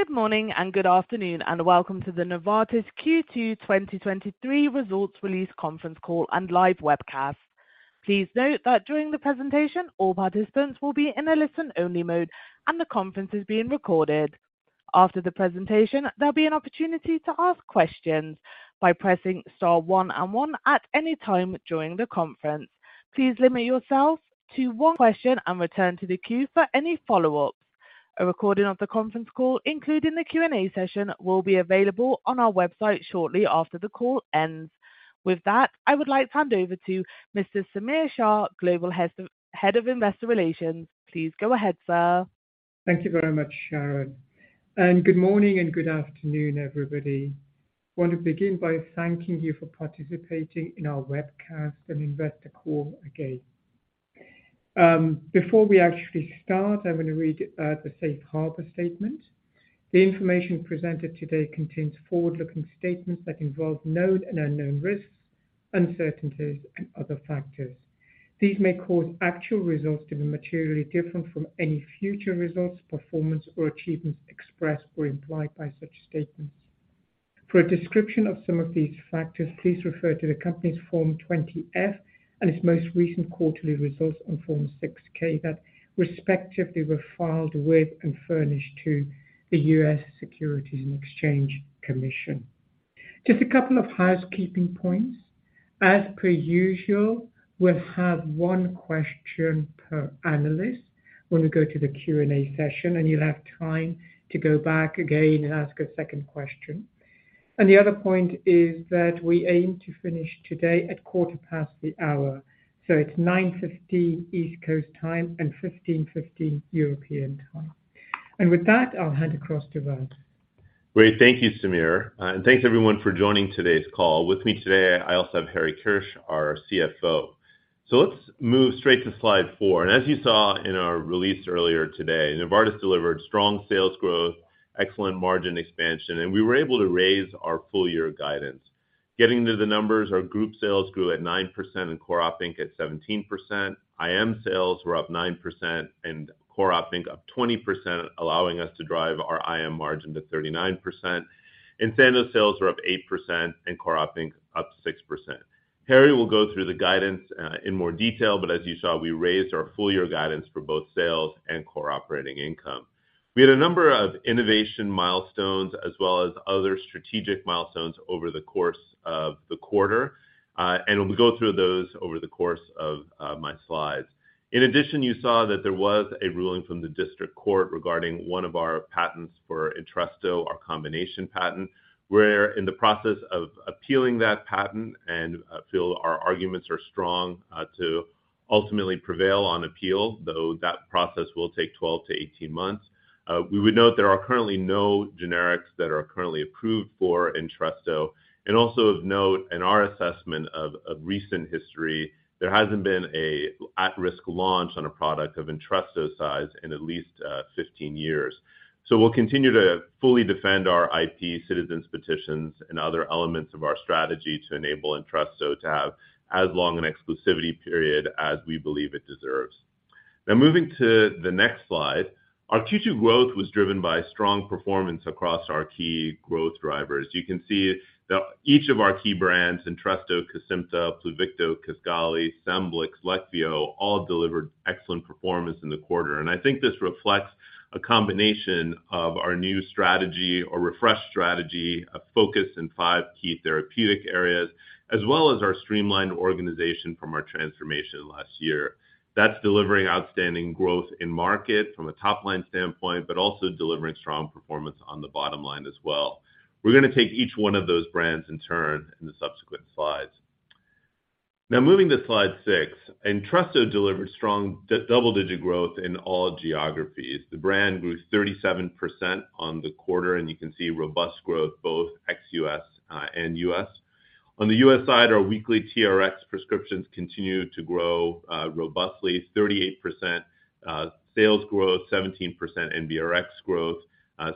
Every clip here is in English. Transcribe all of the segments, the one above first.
Good morning, good afternoon, welcome to the Novartis Q2 2023 Results Release Conference Call and live webcast. Please note that during the presentation, all participants will be in a listen-only mode. The conference is being recorded. After the presentation, there'll be an opportunity to ask questions by pressing star one and one at any time during the conference. Please limit yourself to one question and return to the queue for any follow-ups. A recording of the conference call, including the Q&A session, will be available on our website shortly after the call ends. With that, I would like to hand over to Mr. Samir Shah, Head of Investor Relations. Please go ahead, sir. Thank you very much, Sharon. Good morning and good afternoon, everybody. I want to begin by thanking you for participating in our webcast and investor call again. Before we actually start, I'm going to read the safe harbor statement. The information presented today contains forward-looking statements that involve known and unknown risks, uncertainties and other factors. These may cause actual results to be materially different from any future results, performance or achievements expressed or implied by such statements. For a description of some of these factors, please refer to the company's Form 20-F and its most recent quarterly results on Form 6-K that respectively were filed with and furnished to the US Securities and Exchange Commission. Just a couple of housekeeping points. As per usual, we'll have one question per analyst when we go to the Q&A session, and you'll have time to go back again and ask a second question. The other point is that we aim to finish today at quarter past the hour, so it's 9:50 East Coast time and 15:50 European time. With that, I'll hand across to Vas. Great. Thank you, Samir, and thanks everyone for joining today's call. With me today, I also have Harry Kirsch, our CFO. Let's move straight to slide four. As you saw in our release earlier today, Novartis delivered strong sales growth, excellent margin expansion, and we were able to raise our full-year guidance. Getting to the numbers, our group sales grew at 9% and core operating at 17%. IM sales were up 9% and core operating up 20%, allowing us to drive our IM margin to 39%. In Sandoz, sales were up 8% and core operating up 6%. Harry will go through the guidance in more detail, but as you saw, we raised our full-year guidance for both sales and core operating income. We had a number of innovation milestones as well as other strategic milestones over the course of the quarter, and we'll go through those over the course of my slides. In addition, you saw that there was a ruling from the district court regarding one of our patents for Entresto, our combination patent. We're in the process of appealing that patent and feel our arguments are strong to ultimately prevail on appeal, though that process will take 12 to 18 months. We would note there are currently no generics that are currently approved for Entresto, and also of note, in our assessment of recent history, there hasn't been a at-risk launch on a product of Entresto size in at least 15 years. We'll continue to fully defend our IP, citizen petitions, and other elements of our strategy to enable Entresto to have as long an exclusivity period as we believe it deserves. Moving to the next slide. Our Q2 growth was driven by strong performance across our key growth drivers. You can see that each of our key brands, Entresto, Cosentyx, Pluvicto, Kisqali, Scemblix, Leqvio, all delivered excellent performance in the quarter. I think this reflects a combination of our new strategy or refreshed strategy, a focus in five key therapeutic areas, as well as our streamlined organization from our transformation last year. That's delivering outstanding growth in market from a top-line standpoint, but also delivering strong performance on the bottom line as well. We're going to take each one of those brands in turn in the subsequent slides. Moving to slide six. Entresto delivered strong double-digit growth in all geographies. The brand grew 37% on the quarter. You can see robust growth, both ex-U.S. and U.S. On the U.S. side, our weekly TRX prescriptions continued to grow robustly. 38% sales growth, 17% NBRX growth.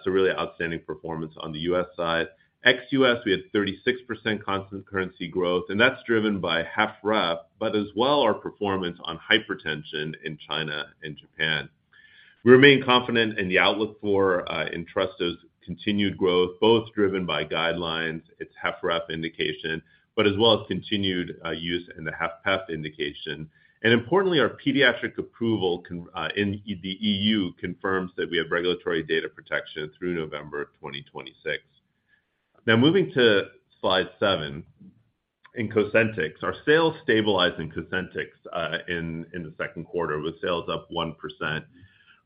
Really outstanding performance on the U.S. side. Ex-U.S., we had 36% constant currency growth. That's driven by HFrEF, but as well, our performance on hypertension in China and Japan. We remain confident in the outlook for Entresto's continued growth, both driven by guidelines, its HFrEF indication, but as well as continued use in the HFpEF indication. Importantly, our pediatric approval in the EU confirms that we have regulatory data protection through November of 2026. Moving to slide seven. Our sales stabilized in Cosentyx in the second quarter, with sales up 1%.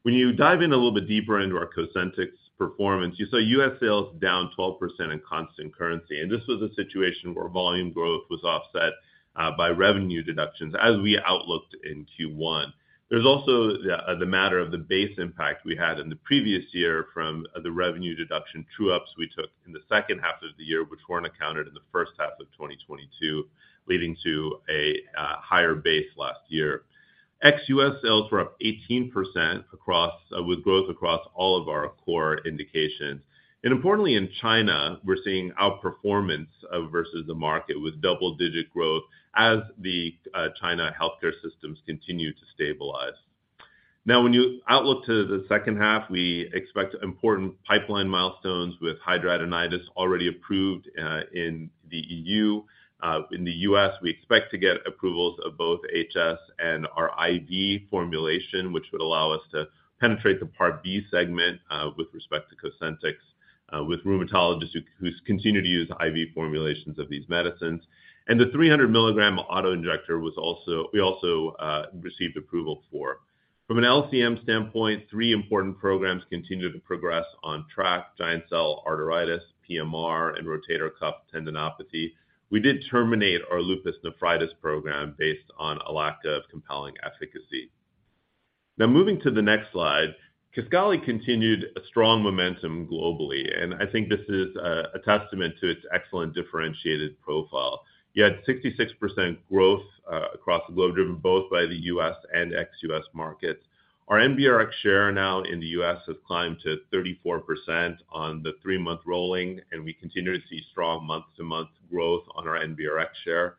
When you dive in a little bit deeper into our Cosentyx performance, you saw US sales down 12% in constant currency. This was a situation where volume growth was offset by revenue deductions, as we outlooked in Q1. There's also the matter of the base impact we had in the previous year from the revenue deduction, true ups we took in the second half of the year, which weren't accounted in the first half of 2022, leading to a higher base last year. Ex-US sales were up 18% with growth across all of our core indications. Importantly, in China, we're seeing outperformance versus the market, with double-digit growth as the China healthcare systems continue to stabilize. When you outlook to the second half, we expect important pipeline milestones with hidradenitis already approved in the EU. In the US, we expect to get approvals of both HS and our IV formulation, which would allow us to penetrate the Part B segment with respect to Cosentyx with rheumatologists who continue to use IV formulations of these medicines. The 300 mg auto injector was also, we also received approval for. From an LCM standpoint, three important programs continue to progress on track, giant cell arteritis, PMR, and rotator cuff tendinopathy. We did terminate our lupus nephritis program based on a lack of compelling efficacy. Moving to the next slide, Kisqali continued a strong momentum globally, and I think this is a testament to its excellent differentiated profile. You had 66% growth across the globe, driven both by the US and ex-US markets. Our NBRX share now in the US has climbed to 34% on the 3-month rolling, and we continue to see strong month-to-month growth on our NBRX share.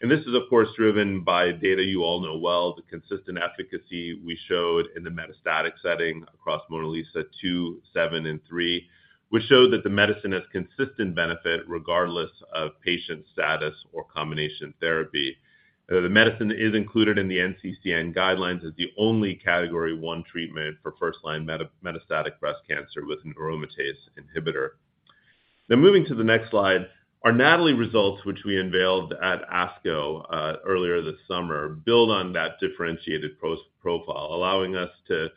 This is, of course, driven by data you all know well, the consistent efficacy we showed in the metastatic setting across MONALEESA two, seven, and three, which showed that the medicine has consistent benefit regardless of patient status or combination therapy. The medicine is included in the NCCN guidelines as the only category 1 treatment for first-line metastatic breast cancer with an aromatase inhibitor. Moving to the next slide, our NATALEE results, which we unveiled at ASCO earlier this summer, build on that differentiated profile, allowing us to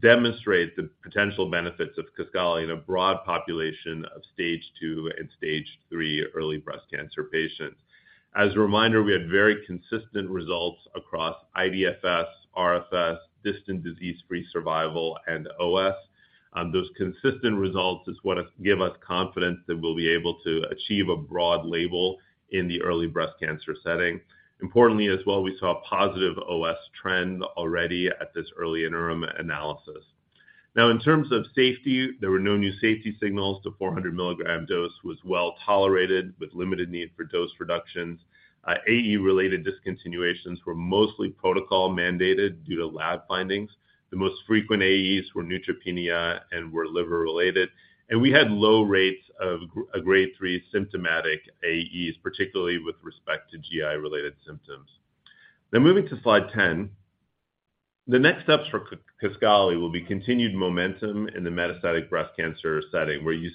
demonstrate the potential benefits of Kisqali in a broad population of stage two and stage three early breast cancer patients. As a reminder, we had very consistent results across IDFS, RFS, distant disease-free survival, and OS. Those consistent results is what give us confidence that we'll be able to achieve a broad label in the early breast cancer setting. Importantly as well, we saw a positive OS trend already at this early interim analysis. In terms of safety, there were no new safety signals. The 400 mg dose was well tolerated with limited need for dose reductions. AE-related discontinuations were mostly protocol mandated due to lab findings. The most frequent AEs were neutropenia and were liver related, and we had low rates of a grade 3 symptomatic AEs, particularly with respect to GI-related symptoms. Moving to slide 10. The next steps for Kisqali will be continued momentum in the metastatic breast cancer setting, where you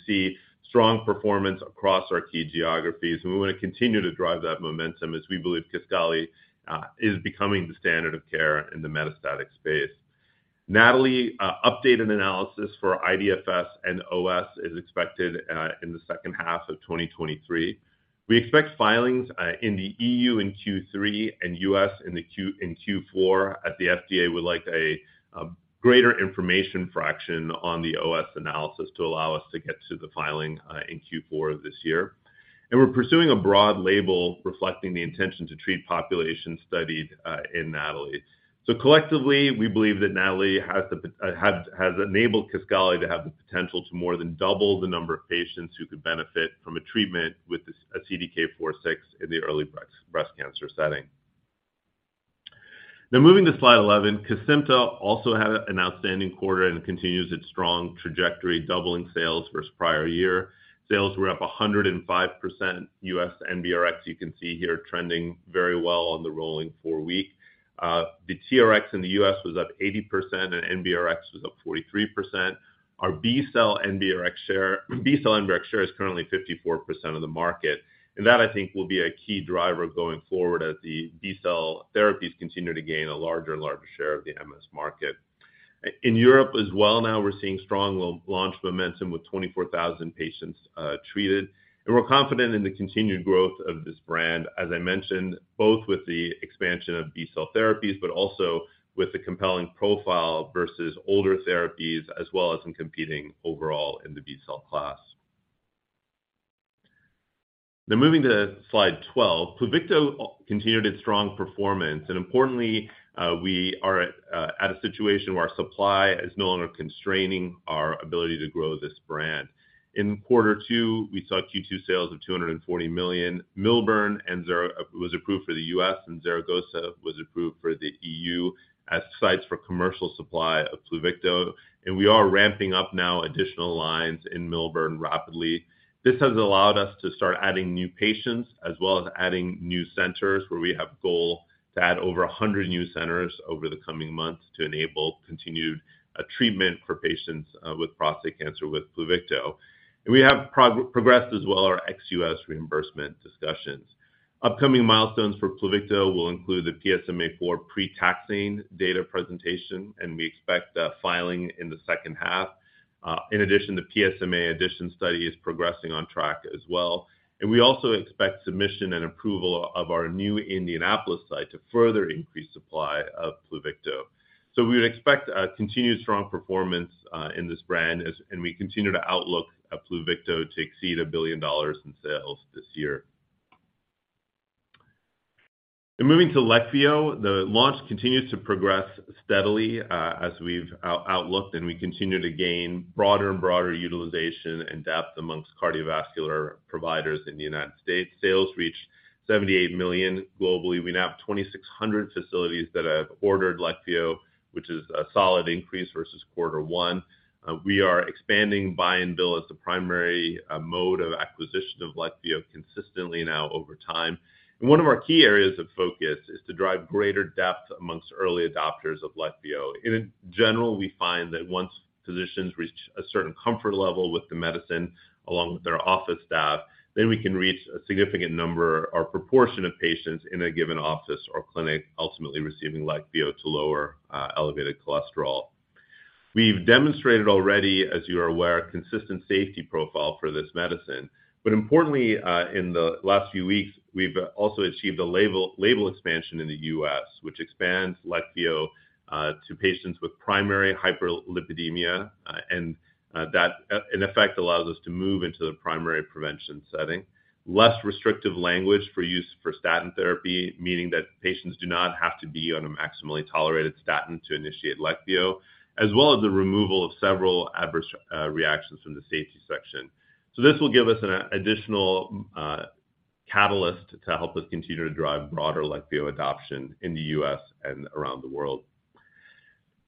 see strong performance across our key geographies, and we want to continue to drive that momentum as we believe Kisqali is becoming the standard of care in the metastatic space. NATALEE updated analysis for IDFS and OS is expected in the second half of 2023. We expect filings in the EU in Q3 and US in Q4, at the FDA, we like a greater information fraction on the OS analysis to allow us to get to the filing in Q4 this year. We're pursuing a broad label reflecting the intention to treat population studied, in NATALEE. Collectively, we believe that NATALEE has enabled Kisqali to have the potential to more than double the number of patients who could benefit from a treatment with a CDK4/6 in the early breast cancer setting. Moving to Slide 11, Kesimpta also had an outstanding quarter and continues its strong trajectory, doubling sales versus prior year. Sales were up 105% US NBRX, you can see here, trending very well on the rolling 4-week. The TRX in the US was up 80% and NBRX was up 43%. Our B-cell NBRX share is currently 54% of the market. That, I think, will be a key driver going forward as the B-cell therapies continue to gain a larger and larger share of the MS market. In Europe as well, now we're seeing strong launch momentum with 24,000 patients treated. We're confident in the continued growth of this brand, as I mentioned, both with the expansion of B-cell therapies, but also with the compelling profile versus older therapies, as well as in competing overall in the B-cell class. Moving to Slide 12. Pluvicto continued its strong performance. Importantly, we are at a situation where our supply is no longer constraining our ability to grow this brand. In Q2, we saw Q2 sales of $240 million. Millburn and Zaragoza was approved for the U.S., and Zaragoza was approved for the EU as sites for commercial supply of Pluvicto. We are ramping up now additional lines in Millburn rapidly. This has allowed us to start adding new patients, as well as adding new centers, where we have a goal to add over 100 new centers over the coming months to enable continued treatment for patients with prostate cancer with Pluvicto. We have progressed as well our ex-U.S. reimbursement discussions. Upcoming milestones for Pluvicto will include the PSMAfore pre-taxane data presentation, and we expect that filing in the second half. In addition, the PSMAddition study is progressing on track as well, and we also expect submission and approval of our new Indianapolis site to further increase supply of Pluvicto. We would expect a continued strong performance in this brand, and we continue to outlook at Pluvicto to exceed $1 billion in sales this year. Moving to Leqvio, the launch continues to progress steadily, as we've outlooked, and we continue to gain broader and broader utilization and depth amongst cardiovascular providers in the United States. Sales reached $78 million globally. We now have 2,600 facilities that have ordered Leqvio, which is a solid increase versus quarter one. We are expanding buy and bill as the primary mode of acquisition of Leqvio consistently now over time. One of our key areas of focus is to drive greater depth amongst early adopters of Leqvio. In general, we find that once physicians reach a certain comfort level with the medicine, along with their office staff, then we can reach a significant number or proportion of patients in a given office or clinic, ultimately receiving Leqvio to lower elevated cholesterol. We've demonstrated already, as you are aware, a consistent safety profile for this medicine. Importantly, in the last few weeks, we've also achieved a label expansion in the U.S., which expands Leqvio to patients with primary hyperlipidemia, and that in effect, allows us to move into the primary prevention setting. Less restrictive language for use for statin therapy, meaning that patients do not have to be on a maximally tolerated statin to initiate Leqvio, as well as the removal of several adverse reactions from the safety section. This will give us an additional catalyst to help us continue to drive broader Leqvio adoption in the U.S. and around the world.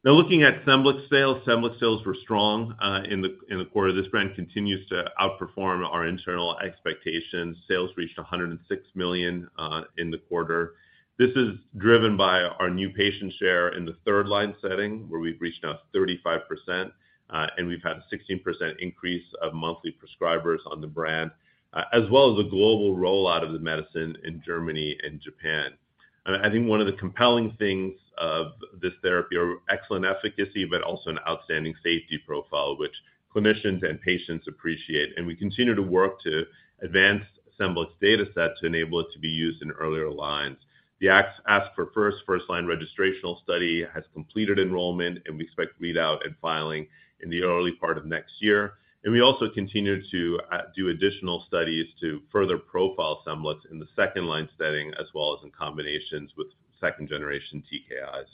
Looking at Scemblix sales. Scemblix sales were strong in the quarter. This brand continues to outperform our internal expectations. Sales reached $106 million in the quarter. This is driven by our new patient share in the third-line setting, where we've reached now 35%, and we've had a 16% increase of monthly prescribers on the brand, as well as a global rollout of the medicine in Germany and Japan. I think one of the compelling things of this therapy are excellent efficacy, but also an outstanding safety profile, which clinicians and patients appreciate. We continue to work to advance Scemblix data set to enable it to be used in earlier lines. The ASC4FIRST, first-line registrational study, has completed enrollment, we expect readout and filing in the early part of next year. We also continue to do additional studies to further profile Scemblix in the second-line setting, as well as in combinations with second-generation TKIs.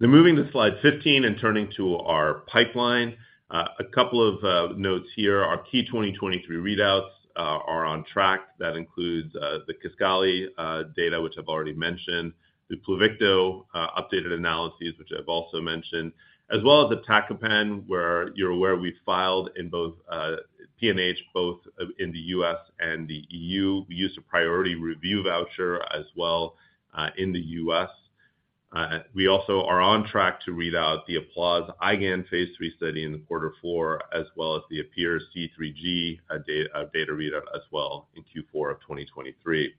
Now moving to slide 15 and turning to our pipeline. A couple of notes here. Our key 2023 readouts are on track. That includes the Kisqali data, which I've already mentioned, the Pluvicto updated analyses, which I've also mentioned, as well as iptacopan, where you're aware we filed in both PNH, both in the U.S. and the E.U. We used a priority review voucher as well in the U.S. We also are on track to read out the APPLAUSE-IgAN phase III study in the quarter four, as well as the APPEAR-C3G a data readout as well in Q4 of 2023.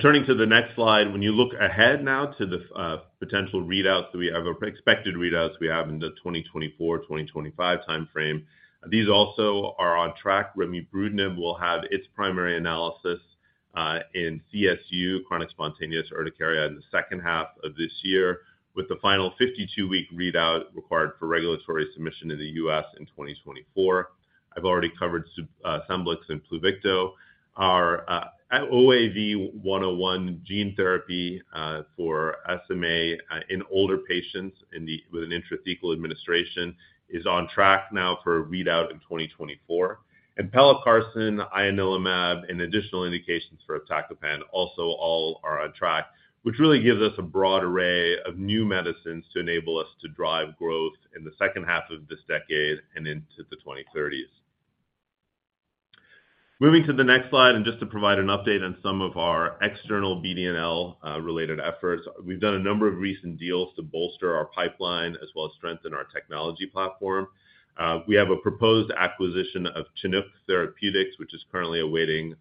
Turning to the next slide. When you look ahead now to the potential readouts that we have or expected readouts we have in the 2024, 2025 time frame, these also are on track. Remibrutinib will have its primary analysis in CSU, chronic spontaneous urticaria, in the second half of this year, with the final 52-week readout required for regulatory submission in the U.S. in 2024. I've already covered Scemblix and Pluvicto. Our OAV101 gene therapy for SMA in older patients with an intrathecal administration, is on track now for a readout in 2024. Pelacarsen, ianalumab, and additional indications for iptacopan also all are on track, which really gives us a broad array of new medicines to enable us to drive growth in the second half of this decade and into the 2030s. Moving to the next slide, just to provide an update on some of our external BD&L related efforts. We've done a number of recent deals to bolster our pipeline as well as strengthen our technology platform. We have a proposed acquisition of Chinook Therapeutics, which is currently awaiting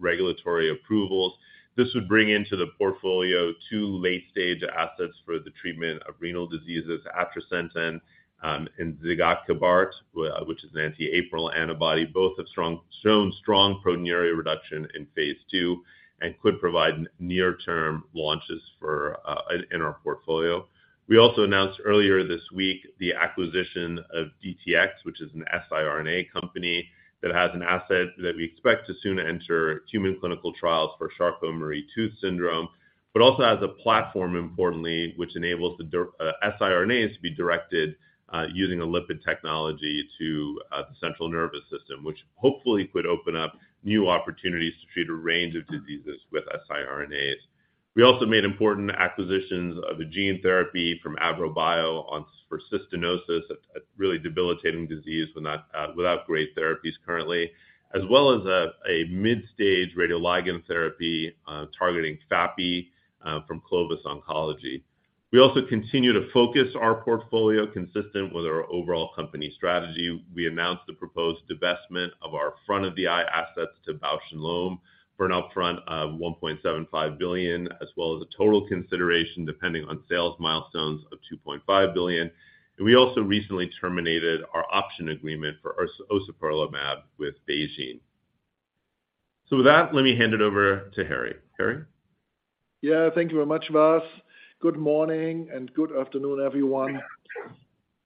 regulatory approvals. This would bring into the portfolio two late-stage assets for the treatment of renal diseases, atrasentan, and zigakibart, which is an anti-APRIL antibody. Both have shown strong proteinuria reduction in phase II and could provide near-term launches for in our portfolio. We also announced earlier this week the acquisition of DTX, which is an siRNA company that has an asset that we expect to soon enter human clinical trials for Charcot-Marie-Tooth disease, but also has a platform, importantly, which enables siRNAs to be directed, using a lipid technology to the central nervous system, which hopefully could open up new opportunities to treat a range of diseases with siRNAs. We also made important acquisitions of a gene therapy from AVROBIO for cystinosis, a really debilitating disease without great therapies currently, as well as a midstage radioligand therapy, targeting FAPI, from Clovis Oncology. We also continue to focus our portfolio consistent with our overall company strategy. We announced the proposed divestment of our front-of-the-eye assets to Bausch + Lomb for an upfront of $1.75 billion, as well as a total consideration, depending on sales milestones, of $2.5 billion. We also recently terminated our option agreement for ociperlimab with BeiGene. With that, let me hand it over to Harry. Harry? Yeah, thank you very much, Vas. Good morning, good afternoon, everyone.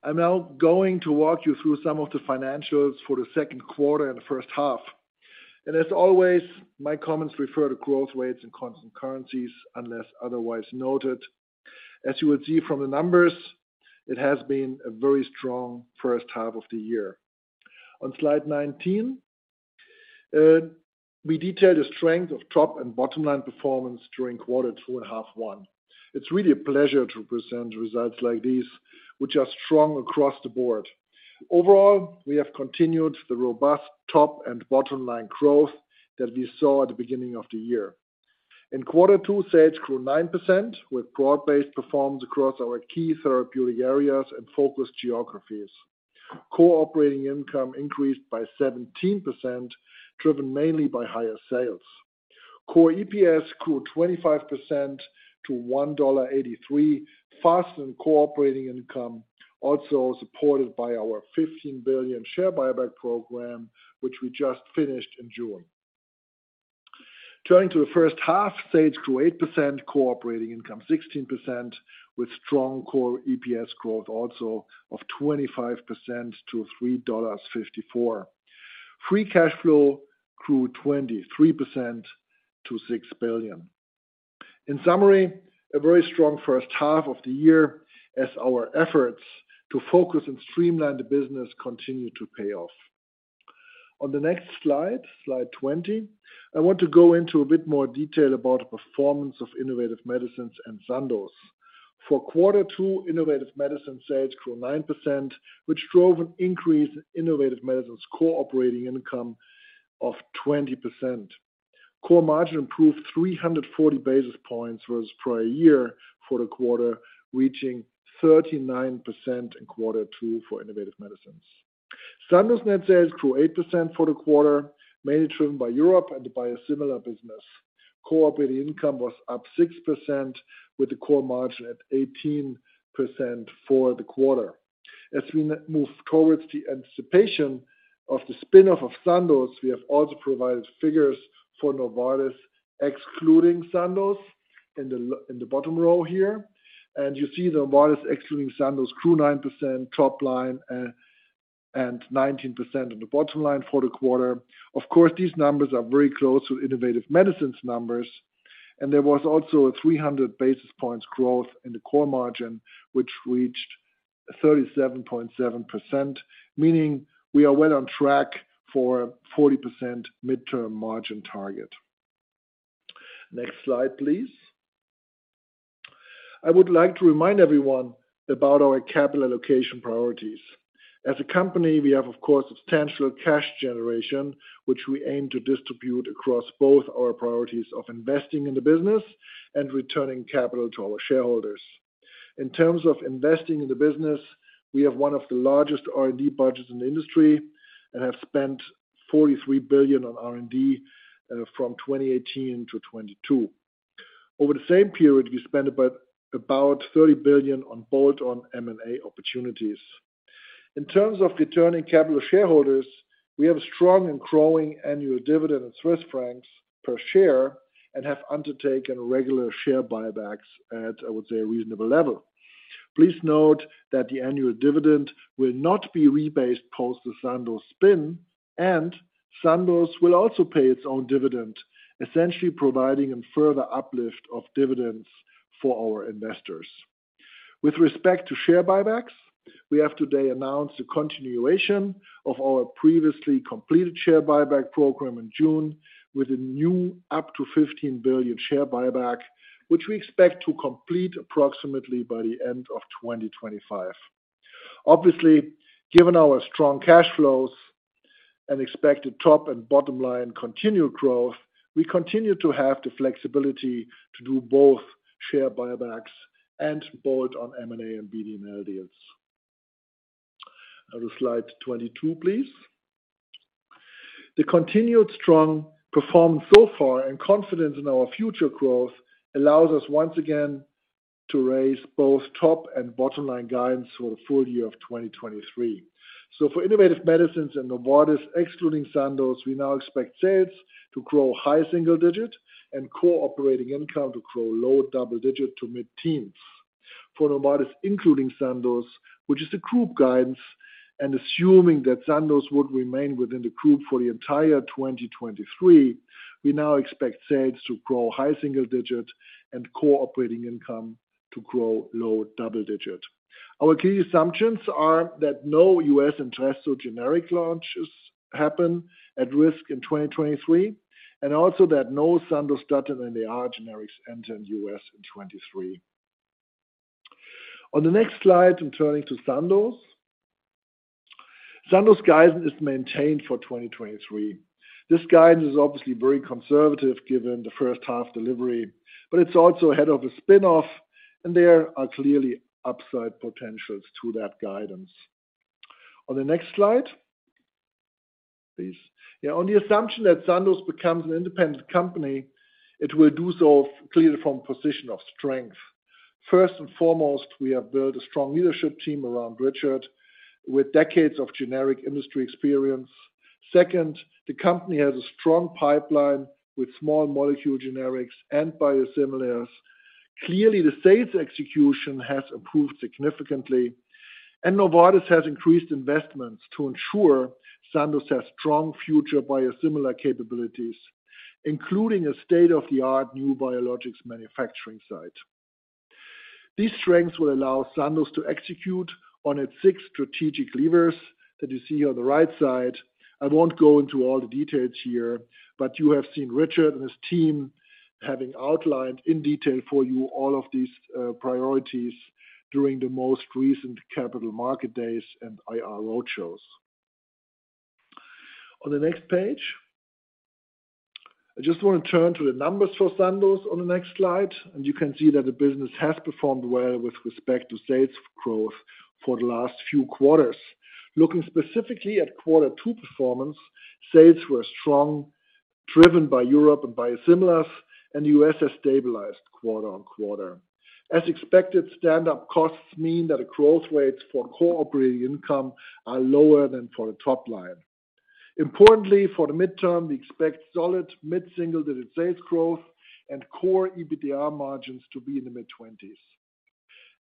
I'm now going to walk you through some of the financials for the second quarter and the first half. As always, my comments refer to growth rates and constant currencies, unless otherwise noted. As you will see from the numbers, it has been a very strong first half of the year. On slide 19, we detail the strength of top and bottom line performance during quarter two and half one. It's really a pleasure to present results like these, which are strong across the board. Overall, we have continued the robust top and bottom line growth that we saw at the beginning of the year. In quarter two, sales grew 9%, with broad-based performance across our key therapeutic areas and focus geographies. Core operating income increased by 17%, driven mainly by higher sales. Core EPS grew 25% to $1.83, faster than core operating income, also supported by our $15 billion share buyback program, which we just finished in June. Turning to the first half, sales grew 8%, core operating income 16%, with strong core EPS growth also of 25% to $3.54. Free cash flow grew 23% to $6 billion. In summary, a very strong first half of the year as our efforts to focus and streamline the business continue to pay off. On the next slide 20, I want to go into a bit more detail about the performance of Innovative Medicines and Sandoz. For quarter two, Innovative Medicines sales grew 9%, which drove an increase in Innovative Medicines core operating income of 20%. Core margin improved 340 basis points versus prior year for the quarter, reaching 39% in Q2 for Innovative Medicines. Sandoz net sales grew 8% for the quarter, mainly driven by Europe and by a similar business. Core operating income was up 6%, with the core margin at 18% for the quarter. As we move towards the anticipation of the spin-off of Sandoz, we have also provided figures for Novartis, excluding Sandoz, in the bottom row here. You see Novartis excluding Sandoz grew 9% top line, and 19% on the bottom line for the quarter. Of course, these numbers are very close to Innovative Medicines numbers. There was also a 300 basis points growth in the core margin, which reached 37.7%, meaning we are well on track for a 40% midterm margin target. Next slide, please. I would like to remind everyone about our capital allocation priorities. As a company, we have, of course, substantial cash generation, which we aim to distribute across both our priorities of investing in the business and returning capital to our shareholders. In terms of investing in the business, we have one of the largest R&D budgets in the industry and have spent $43 billion on R&D from 2018 to 2022. Over the same period, we spent about $30 billion on bolt-on M&A opportunities. In terms of returning capital to shareholders, we have a strong and growing annual dividend in Swiss francs per share and have undertaken regular share buybacks at, I would say, a reasonable level. Please note that the annual dividend will not be rebased post the Sandoz spin, and Sandoz will also pay its own dividend, essentially providing a further uplift of dividends for our investors. With respect to share buybacks, we have today announced the continuation of our previously completed share buyback program in June with a new up to $15 billion share buyback, which we expect to complete approximately by the end of 2025. Obviously, given our strong cash flows and expected top and bottom line continued growth, we continue to have the flexibility to do both share buybacks and bolt on M&A and BD&L deals. Now to slide 22, please. The continued strong performance so far and confidence in our future growth allows us once again to raise both top and bottom-line guidance for the full year of 2023. For Innovative Medicines and Novartis, excluding Sandoz, we now expect sales to grow high single digit and core operating income to grow low double digit to mid-teens. For Novartis, including Sandoz, which is a group guidance, and assuming that Sandoz would remain within the group for the entire 2023, we now expect sales to grow high single digit and core operating income to grow low double digit. Our key assumptions are that no US Entresto generic launches happen at risk in 2023, also that no Sandostatin and the AR generics enter US in 2023. On the next slide, I'm turning to Sandoz. Sandoz guidance is maintained for 2023. This guidance is obviously very conservative, given the first half delivery, but it's also ahead of a spin-off, and there are clearly upside potentials to that guidance. On the next slide, please. Yeah, on the assumption that Sandoz becomes an independent company, it will do so clearly from a position of strength. First and foremost, we have built a strong leadership team around Richard with decades of generic industry experience. Second, the company has a strong pipeline with small molecule generics and biosimilars. Clearly, the sales execution has improved significantly, and Novartis has increased investments to ensure Sandoz has strong future biosimilar capabilities, including a state-of-the-art new biologics manufacturing site. These strengths will allow Sandoz to execute on its six strategic levers that you see on the right side. I won't go into all the details here, but you have seen Richard and his team having outlined in detail for you all of these priorities during the most recent Capital Market Days and IR roadshows. On the next page, I just want to turn to the numbers for Sandoz on the next slide, and you can see that the business has performed well with respect to sales growth for the last few quarters. Looking specifically at Q2 performance, sales were strong, driven by Europe and biosimilars, and the US has stabilized quarter-on-quarter. As expected, standup costs mean that the growth rates for core operating income are lower than for the top line. Importantly, for the midterm, we expect solid mid-single-digit sales growth and core EBITDA margins to be in the mid-20s.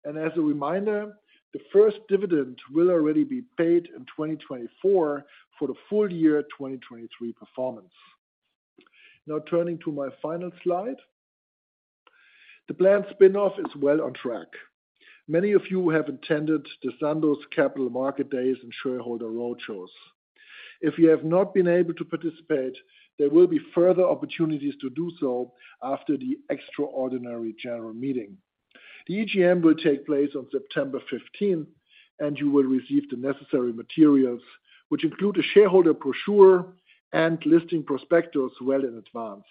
As a reminder, the first dividend will already be paid in 2024 for the full year 2023 performance. Turning to my final slide. The planned spin-off is well on track. Many of you have attended the Sandoz Capital Market Days and Shareholder Roadshows. If you have not been able to participate, there will be further opportunities to do so after the extraordinary general meeting. The EGM will take place on September 15th, and you will receive the necessary materials, which include a shareholder brochure and listing prospectus well in advance.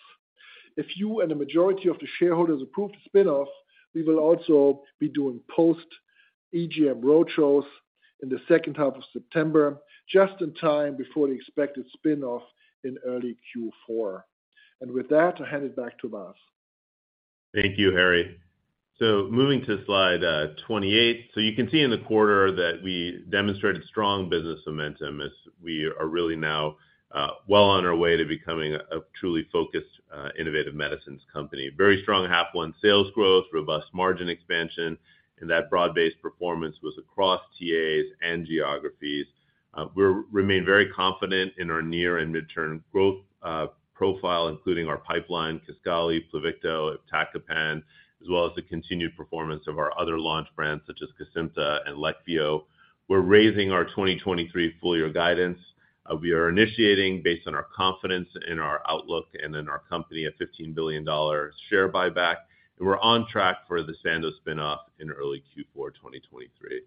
If you and the majority of the shareholders approve the spin-off, we will also be doing post-EGM roadshows in the second half of September, just in time before the expected spin-off in early Q4. With that, I'll hand it back to Vas. Thank you, Harry. Moving to slide 28. You can see in the quarter that we demonstrated strong business momentum as we are really now well on our way to becoming a truly focused innovative medicines company. Very strong half one sales growth, robust margin expansion, and that broad-based performance was across TAs and geographies. We remain very confident in our near and midterm growth profile, including our pipeline, Kisqali, Pluvicto, iptacopan, as well as the continued performance of our other launch brands, such as Cosentyx and Leqvio. We're raising our 2023 full year guidance. We are initiating based on our confidence in our outlook and in our company, a $15 billion share buyback, and we're on track for the Sandoz spin-off in early Q4 2023.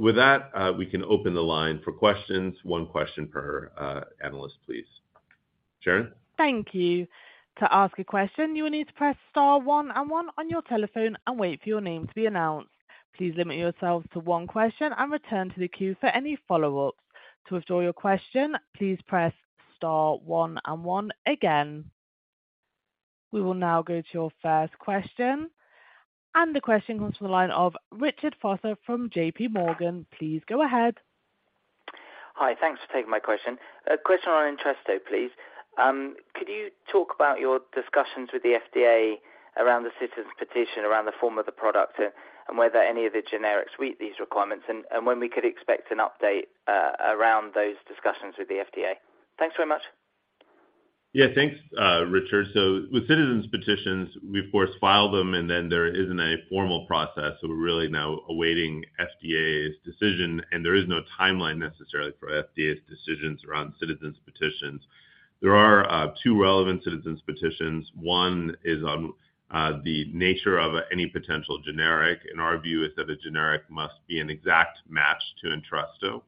With that, we can open the line for questions. One question per analyst, please. Sharon? Thank you. To ask a question, you will need to press star one and one on your telephone and wait for your name to be announced. Please limit yourselves to one question and return to the queue for any follow-ups. To withdraw your question, please press star one and one again. We will now go to your first question. The question comes from the line of Richard Vosser from JPMorgan. Please go ahead. Hi, thanks for taking my question. A question on Entresto, please. Could you talk about your discussions with the FDA around the citizens petition, around the form of the product, and whether any of the generics meet these requirements, and when we could expect an update around those discussions with the FDA? Thanks so much. Yeah, thanks, Richard. With citizens' petitions, we of course, file them, and then there isn't a formal process, so we're really now awaiting FDA's decision, and there is no timeline necessarily for FDA's decisions around citizens' petitions. There are two relevant citizens' petitions. One is on the nature of any potential generic, and our view is that a generic must be an exact match to Entresto,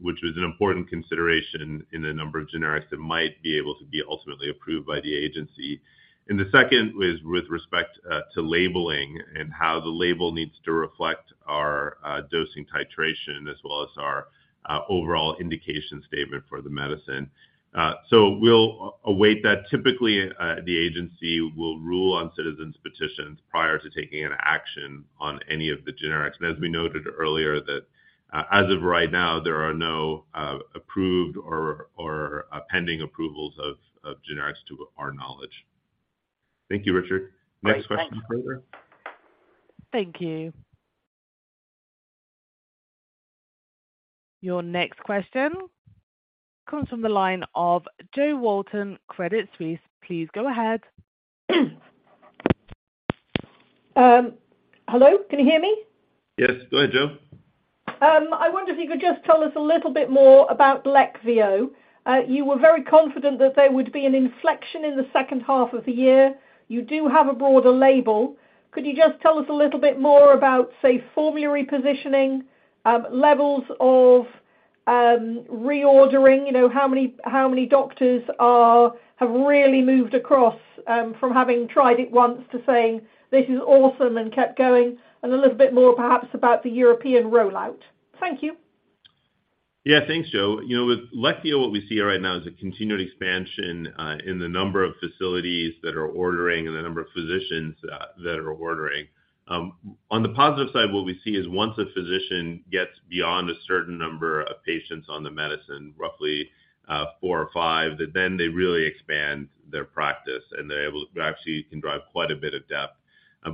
which is an important consideration in the number of generics that might be able to be ultimately approved by the agency. The second is with respect to labeling and how the label needs to reflect our dosing titration, as well as our overall indication statement for the medicine. We'll await that. Typically, the agency will rule on citizens' petitions prior to taking an action on any of the generics. As we noted earlier, that, as of right now, there are no approved or pending approvals of generics to our knowledge. Thank you, Richard. Great. Thanks. Next question. Thank you. Your next question comes from the line of Jo Walton, Credit Suisse. Please go ahead. Hello, can you hear me? Yes. Go ahead, Jo. I wonder if you could just tell us a little bit more about Leqvio. You were very confident that there would be an inflection in the second half of the year. You do have a broader label. Could you just tell us a little bit more about, say, formulary positioning, levels of, reordering? You know, how many doctors have really moved across, from having tried it once to saying, "This is awesome," and kept going? A little bit more perhaps about the European rollout. Thank you. Yeah, thanks, Jo. You know, with Leqvio, what we see right now is a continued expansion in the number of facilities that are ordering and the number of physicians that are ordering. On the positive side, what we see is once a physician gets beyond a certain number of patients on the medicine, roughly, four or five, that then they really expand their practice, and they're able to actually can drive quite a bit of depth.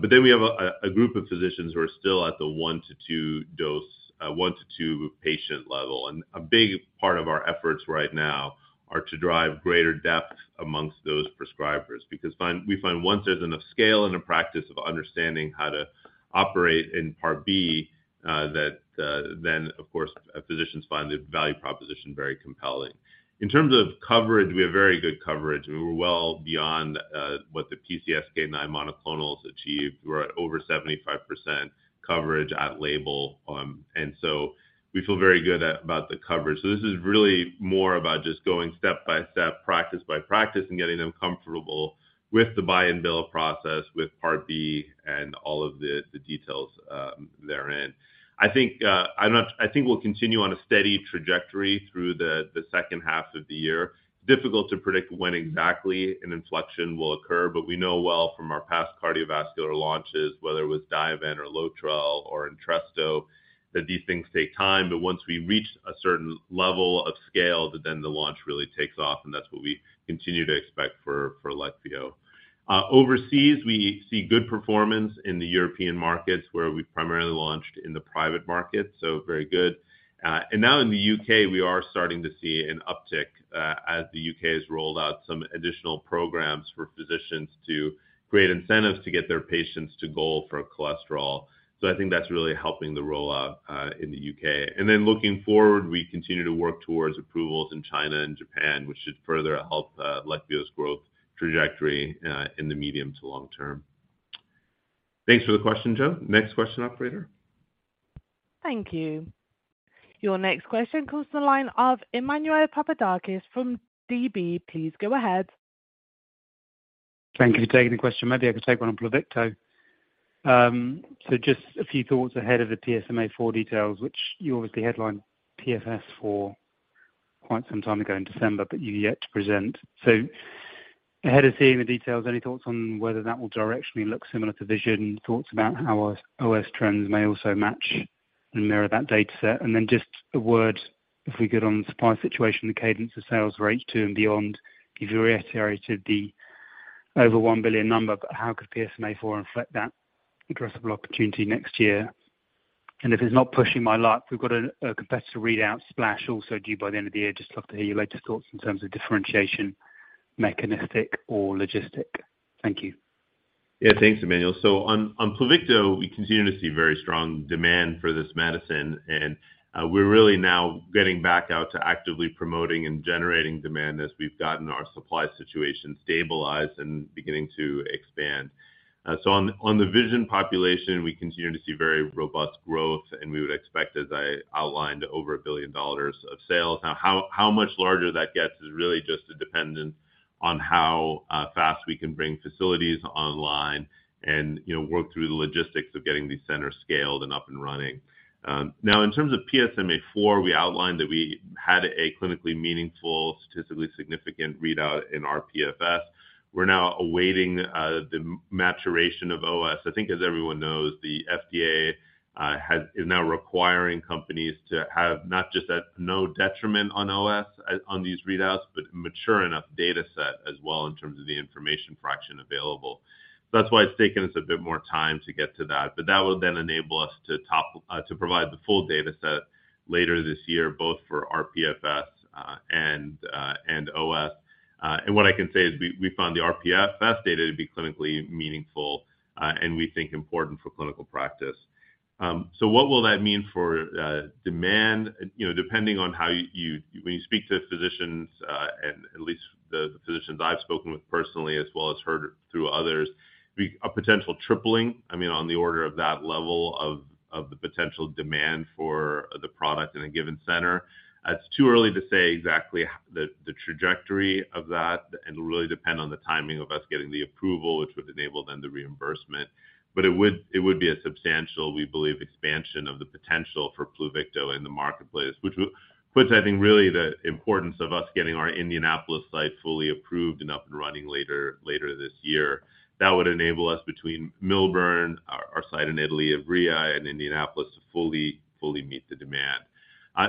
We have a group of physicians who are still at the one to two dose, one to two patient level. A big part of our efforts right now are to drive greater depth amongst those prescribers, because we find once there's enough scale in a practice of understanding how to operate in Part B, that then, of course, physicians find the value proposition very compelling. In terms of coverage, we have very good coverage. We're well beyond what the PCSK9 monoclonals achieved. We're at over 75% coverage at label. We feel very good about the coverage. This is really more about just going step-by-step, practice by practice, and getting them comfortable with the buy and bill process, with Part B and all of the details therein. I think we'll continue on a steady trajectory through the second half of the year. Difficult to predict when exactly an inflection will occur, but we know well from our past cardiovascular launches, whether it was Diovan or Lotrel or Entresto, that these things take time, but once we reach a certain level of scale, then the launch really takes off, and that's what we continue to expect for Leqvio. Overseas, we see good performance in the European markets, where we primarily launched in the private market, so very good. Now in the UK, we are starting to see an uptick, as the UK has rolled out some additional programs for physicians to create incentives to get their patients to goal for cholesterol. I think that's really helping the rollout in the UK. Looking forward, we continue to work towards approvals in China and Japan, which should further help Leqvio's growth trajectory in the medium to long term. Thanks for the question, Jo. Next question, operator. Thank you. Your next question comes to the line of Emmanuel Papadakis from Deutsche Bank. Please go ahead. Thank you for taking the question. Maybe I could take one on Pluvicto. Just a few thoughts ahead of the PSMAfore details, which you obviously headlined PFS for quite some time ago in December, but you're yet to present. Ahead of seeing the details, any thoughts on whether that will directionally look similar to Vision? Thoughts about how OS trends may also match and mirror that data set. Just a word, if we could, on the supply situation, the cadence of sales for H2 and beyond. You've already reiterated the over $1 billion number, but how could PSMAfore inflect that addressable opportunity next year? If it's not pushing my luck, we've got a competitor readout SPLASH also due by the end of the year. Just love to hear your latest thoughts in terms of differentiation, mechanistic or logistic. Thank you. Yeah, thanks, Emmanuel. On Pluvicto, we continue to see very strong demand for this medicine, and we're really now getting back out to actively promoting and generating demand as we've gotten our supply situation stabilized and beginning to expand. On the VISION population, we continue to see very robust growth, and we would expect, as I outlined, over $1 billion of sales. Now, how much larger that gets is really just dependent on how fast we can bring facilities online and, you know, work through the logistics of getting these centers scaled and up and running. Now, in terms of PSMAfore, we outlined that we had a clinically meaningful, statistically significant readout in our PFS. We're now awaiting the maturation of OS. I think, as everyone knows, the FDA is now requiring companies to have not just at no detriment on OS on these readouts, but mature enough data set as well in terms of the information fraction available. That's why it's taken us a bit more time to get to that, but that will then enable us to top... to provide the full data set later this year, both for our PFS and OS. What I can say is we found the RPFS data to be clinically meaningful and we think important for clinical practice. What will that mean for demand? You know, depending on how you when you speak to physicians, and at least the physicians I've spoken with personally, as well as heard through others, be a potential tripling, I mean, on the order of that level of the potential demand for the product in a given center. It's too early to say exactly the trajectory of that, and it'll really depend on the timing of us getting the approval, which would enable then the reimbursement. It would be a substantial, we believe, expansion of the potential for Pluvicto in the marketplace, which puts, I think, really the importance of us getting our Indianapolis site fully approved and up and running later this year. That would enable us, between Millburn, our site in Italy, Ivrea, and Indianapolis, to fully meet the demand.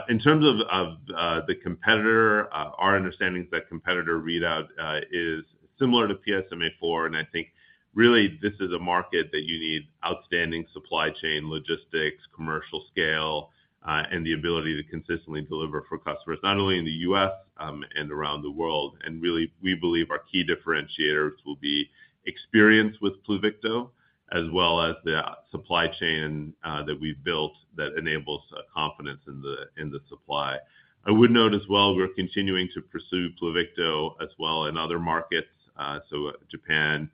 In terms of the competitor, our understanding is that competitor readout is similar to PSMAfore, and I think really this is a market that you need outstanding supply chain, logistics, commercial scale, and the ability to consistently deliver for customers, not only in the U.S., and around the world. Really, we believe our key differentiators will be experience with Pluvicto, as well as the supply chain that we've built that enables confidence in the supply. I would note as well, we're continuing to pursue Pluvicto as well in other markets, so Japan,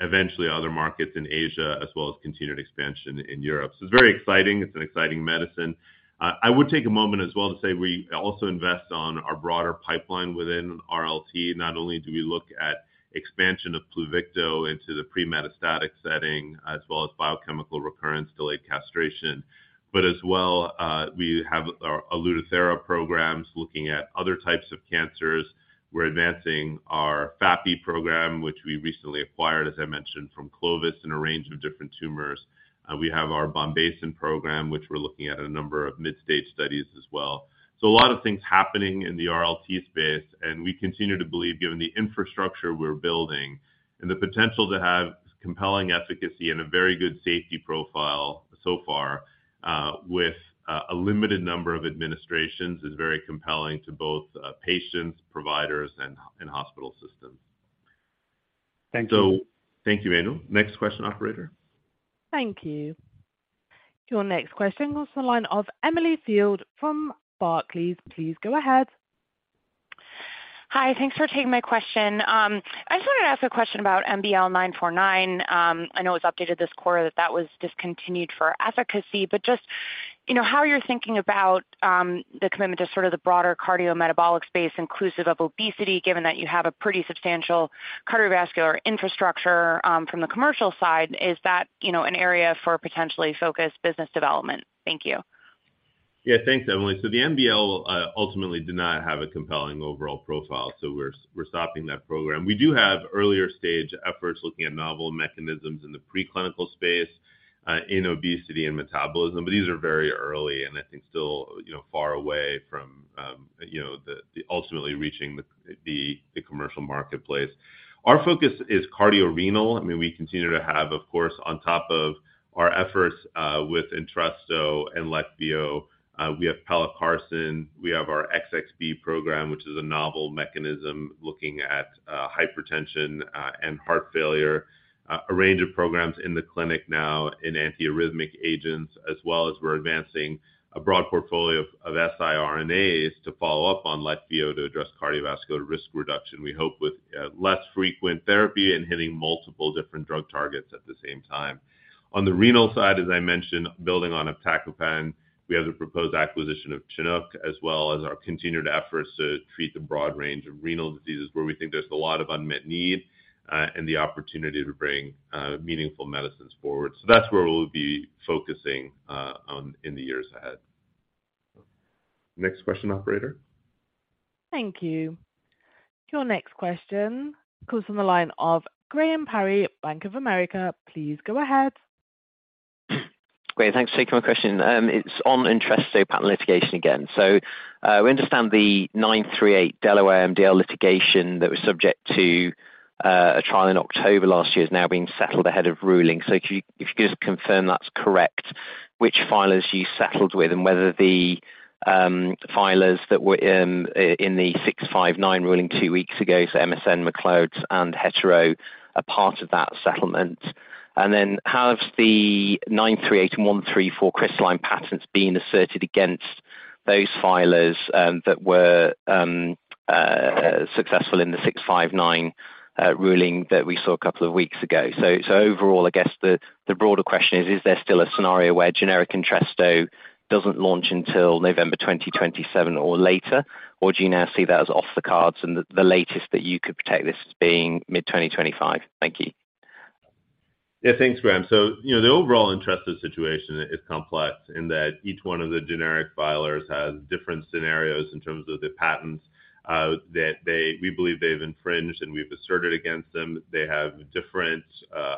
eventually other markets in Asia, as well as continued expansion in Europe. It's very exciting. It's an exciting medicine. I would take a moment as well to say we also invest on our broader pipeline within RLT. Not only do we look at expansion of Pluvicto into the pre-metastatic setting, as well as biochemical recurrence, delayed castration, as well, we have our Oluthera programs looking at other types of cancers. We're advancing our FAPI program, which we recently acquired, as I mentioned, from Clovis, in a range of different tumors. We have our Bombesin program, which we're looking at a number of mid-stage studies as well. A lot of things happening in the RLT space, and we continue to believe, given the infrastructure we're building and the potential to have compelling efficacy and a very good safety profile so far, with a limited number of administrations, is very compelling to both patients, providers, and hospital systems. Thank you. Thank you, Anu. Next question, operator. Thank you. Your next question goes to the line of Emily Field from Barclays. Please go ahead. Hi, thanks for taking my question. I just wanted to ask a question about MBL949. I know it's updated this quarter, that that was discontinued for efficacy, but just, you know, how you're thinking about the commitment to sort of the broader cardiometabolic space inclusive of obesity, given that you have a pretty substantial cardiovascular infrastructure, from the commercial side, is that, you know, an area for potentially focused business development? Thank you. Thanks, Emily. The MBL ultimately did not have a compelling overall profile, so we're stopping that program. We do have earlier stage efforts looking at novel mechanisms in the preclinical space in obesity and metabolism. These are very early and I think still, you know, far away from, you know, ultimately reaching the commercial marketplace. Our focus is cardiorenal. We continue to have, of course, on top of our efforts, with Entresto and Leqvio, we have pelacarsen, we have our XXb program, which is a novel mechanism looking at hypertension and heart failure, a range of programs in the clinic now in antiarrhythmic agents, as well as we're advancing a broad portfolio of siRNAs to follow up on Leqvio to address cardiovascular risk reduction, we hope with less frequent therapy and hitting multiple different drug targets at the same time. On the renal side, as I mentioned, building on iptacopan, we have the proposed acquisition of Chinook, as well as our continued efforts to treat the broad range of renal diseases, where we think there's a lot of unmet need, and the opportunity to bring meaningful medicines forward. That's where we'll be focusing on in the years ahead. Next question, operator. Thank you. Your next question comes from the line of Graham Parry, Bank of America. Please go ahead. Great. Thanks for taking my question. It's on Entresto patent litigation again. We understand the '938 Delaware MDL litigation that was subject to a trial in October last year is now being settled ahead of ruling. If you could just confirm that's correct, which filers you settled with, and whether the filers that were in the '659 ruling two weeks ago, so MSN, Macleods, and Hetero, are part of that settlement. Have the '938 and '134 crystalline patents been asserted against those filers that were successful in the '659 ruling that we saw a couple of weeks ago? Overall, I guess the broader question is there still a scenario where generic Entresto doesn't launch until November 2027 or later? Do you now see that as off the cards and the latest that you could protect this as being mid-2025? Thank you. Yeah, thanks, Graham. You know, the overall Entresto situation is complex in that each one of the generic filers has different scenarios in terms of the patents that we believe they've infringed, and we've asserted against them. They have different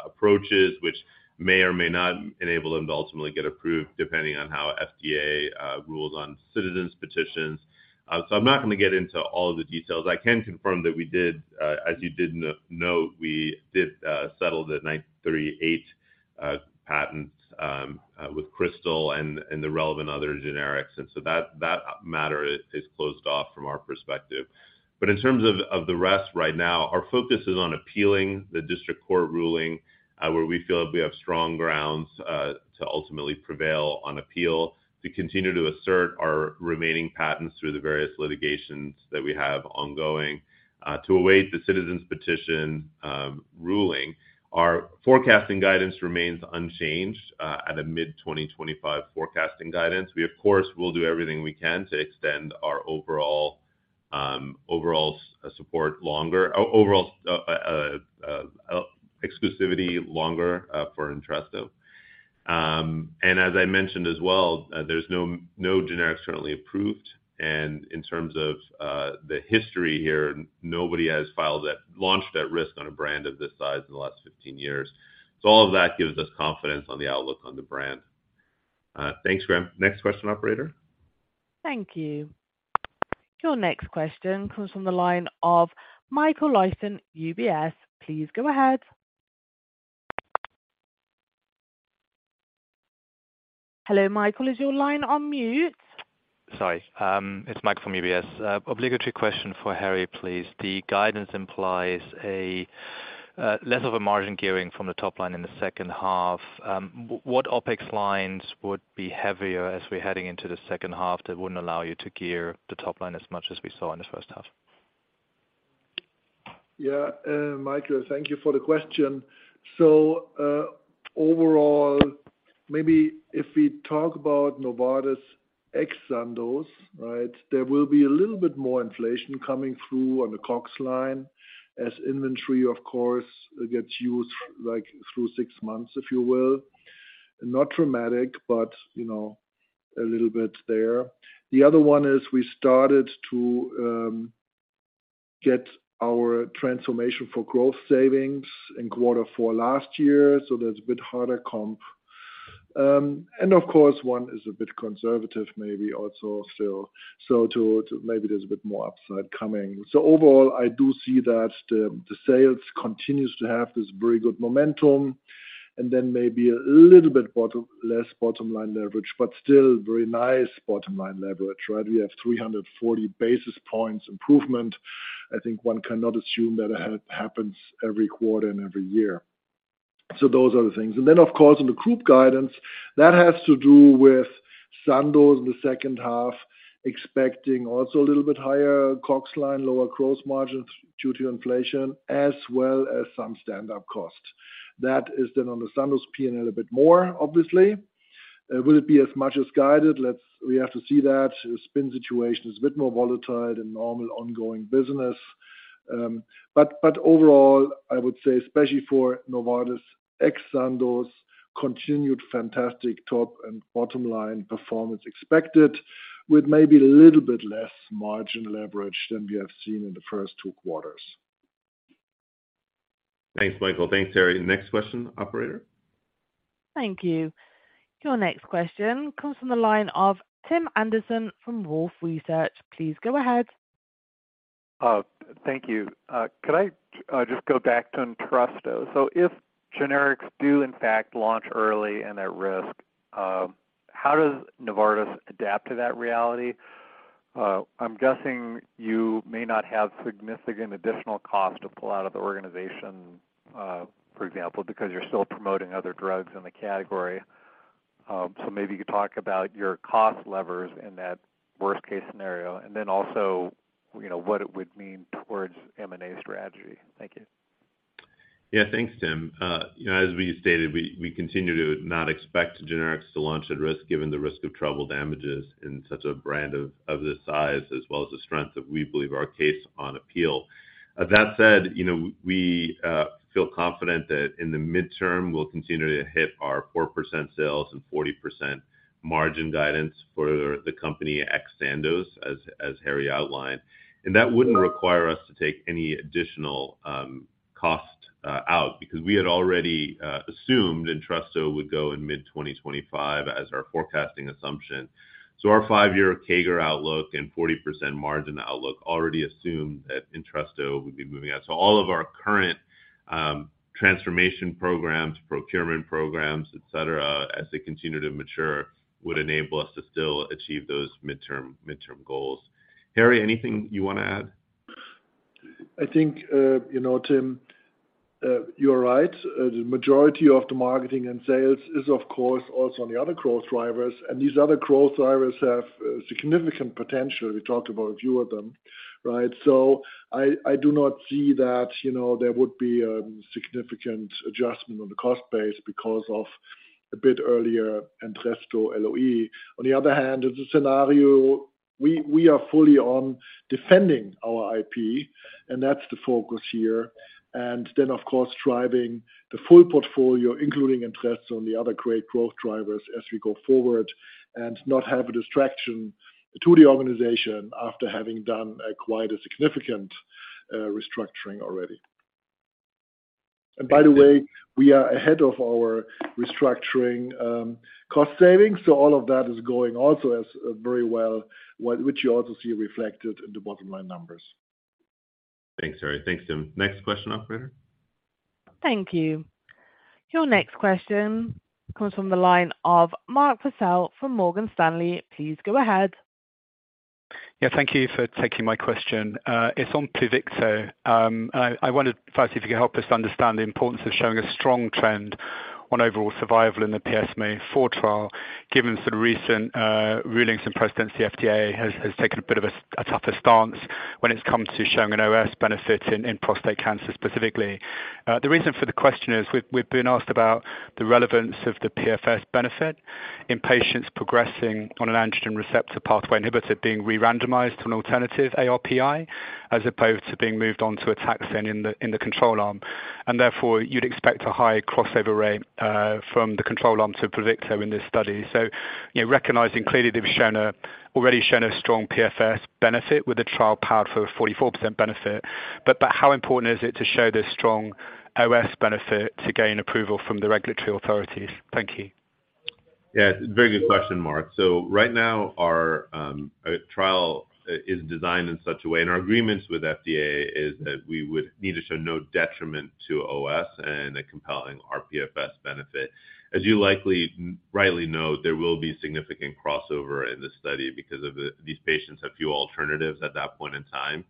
approaches which may or may not enable them to ultimately get approved, depending on how FDA rules on citizens' petitions. I'm not going to get into all the details. I can confirm that we did, as you did note, we did settle the '938 patents with Crystal and the relevant other generics, and so that matter is closed off from our perspective. In terms of the rest right now, our focus is on appealing the district court ruling, where we feel like we have strong grounds to ultimately prevail on appeal, to continue to assert our remaining patents through the various litigations that we have ongoing, to await the citizens petition ruling. Our forecasting guidance remains unchanged at a mid-2025 forecasting guidance. We, of course, will do everything we can to extend our overall support longer, overall exclusivity longer for Entresto. As I mentioned as well, there's no generics currently approved, and in terms of the history here, nobody has launched at risk on a brand of this size in the last 15 years. All of that gives us confidence on the outlook on the brand. Thanks, Graham. Next question, operator. Thank you. Your next question comes from the line of Michael Leuchten, UBS. Please go ahead. Hello, Michael, is your line on mute? Sorry. It's Michael from UBS. Obligatory question for Harry, please. The guidance implies a less of a margin gearing from the top line in the second half. What OpEx lines would be heavier as we're heading into the second half that wouldn't allow you to gear the top line as much as we saw in the first half? Yeah, Michael, thank you for the question. Overall, maybe if we talk about Novartis ex Sandoz, right? There will be a little bit more inflation coming through on the COGS line, as inventory of course, gets used, like, through 6 months, if you will. Not dramatic, but, you know, a little bit there. The other one is, we started to get our Transformation for Growth savings in Q4 last year, there's a bit harder comp. Of course, one is a bit conservative, maybe also still. To maybe there's a bit more upside coming. Overall, I do see that the sales continues to have this very good momentum, then maybe a little bit less bottom line leverage, but still very nice bottom line leverage, right? We have 340 basis points improvement. I think one cannot assume that it happens every quarter and every year. Those are the things. Then, of course, in the group guidance, that has to do with Sandoz in the second half, expecting also a little bit higher COGS line, lower growth margins due to inflation, as well as some stand-up costs. That is then on the Sandoz P&L a bit more, obviously. Will it be as much as guided? We have to see that. The spin situation is a bit more volatile than normal ongoing business. But overall, I would say, especially for Novartis ex Sandoz, continued fantastic top and bottom line performance expected, with maybe a little bit less margin leverage than we have seen in the first two quarters. Thanks, Michael. Thanks, Harry. Next question, operator? Thank you. Your next question comes from the line of Tim Anderson from Wolfe Research. Please go ahead. Thank you. Could I just go back to Entresto? If generics do in fact launch early and at risk, how does Novartis adapt to that reality? I'm guessing you may not have significant additional cost to pull out of the organization, for example, because you're still promoting other drugs in the category. Maybe you could talk about your cost levers in that worst case scenario, also, you know, what it would mean towards M&A strategy. Thank you. Yeah, thanks, Tim. you know, as we stated, we continue to not expect generics to launch at risk, given the risk of trouble damages in such a brand of this size, as well as the strength that we believe our case on appeal. That said, you know, we feel confident that in the midterm, we'll continue to hit our 4% sales and 40% margin guidance for the company ex Sandoz, as Harry outlined. That wouldn't require us to take any additional cost out, because we had already assumed Entresto would go in mid-2025 as our forecasting assumption. Our 5-year CAGR outlook and 40% margin outlook already assumed that Entresto would be moving out. All of our current transformation programs, procurement programs, et cetera, as they continue to mature, would enable us to still achieve those midterm goals. Harry, anything you want to add? I think, you know, Tim, you're right. The majority of the marketing and sales is, of course, also on the other growth drivers, and these other growth drivers have significant potential. We talked about a few of them, right? I do not see that, you know, there would be a significant adjustment on the cost base because of a bit earlier Entresto LOE. On the other hand, as a scenario, we are fully on defending our IP, and that's the focus here. Then, of course, driving the full portfolio, including Entresto on the other great growth drivers as we go forward, and not have a distraction to the organization after having done quite a significant restructuring already. By the way, we are ahead of our restructuring, cost savings, so all of that is going also as very well, which you also see reflected in the bottom line numbers. Thanks, Harry. Thanks, Tim. Next question, operator. Thank you. Your next question comes from the line of Mark Purcell from Morgan Stanley. Please go ahead. Yeah, thank you for taking my question. It's on Pluvicto. I wondered first if you could help us understand the importance of showing a strong trend on overall survival in the PSMAfore trial, given sort of recent rulings and precedents, the FDA has taken a bit of a tougher stance when it comes to showing an OS benefit in prostate cancer specifically. The reason for the question is we've been asked about the relevance of the PFS benefit in patients progressing on an androgen receptor pathway inhibitor being re-randomized to an alternative ARPI, as opposed to being moved on to a taxane in the control arm. Therefore, you'd expect a high crossover rate from the control arm to Pluvicto in this study. You know, recognizing clearly they've already shown a strong PFS benefit with the trial powered for a 44% benefit, but how important is it to show this strong OS benefit to gain approval from the regulatory authorities? Thank you. Yeah, it's a very good question, Mark. Right now, our trial is designed in such a way, and our agreements with FDA is that we would need to show no detriment to OS and a compelling RPFS benefit. As you likely rightly note, there will be significant crossover in this study because these patients have few alternatives at that point in time.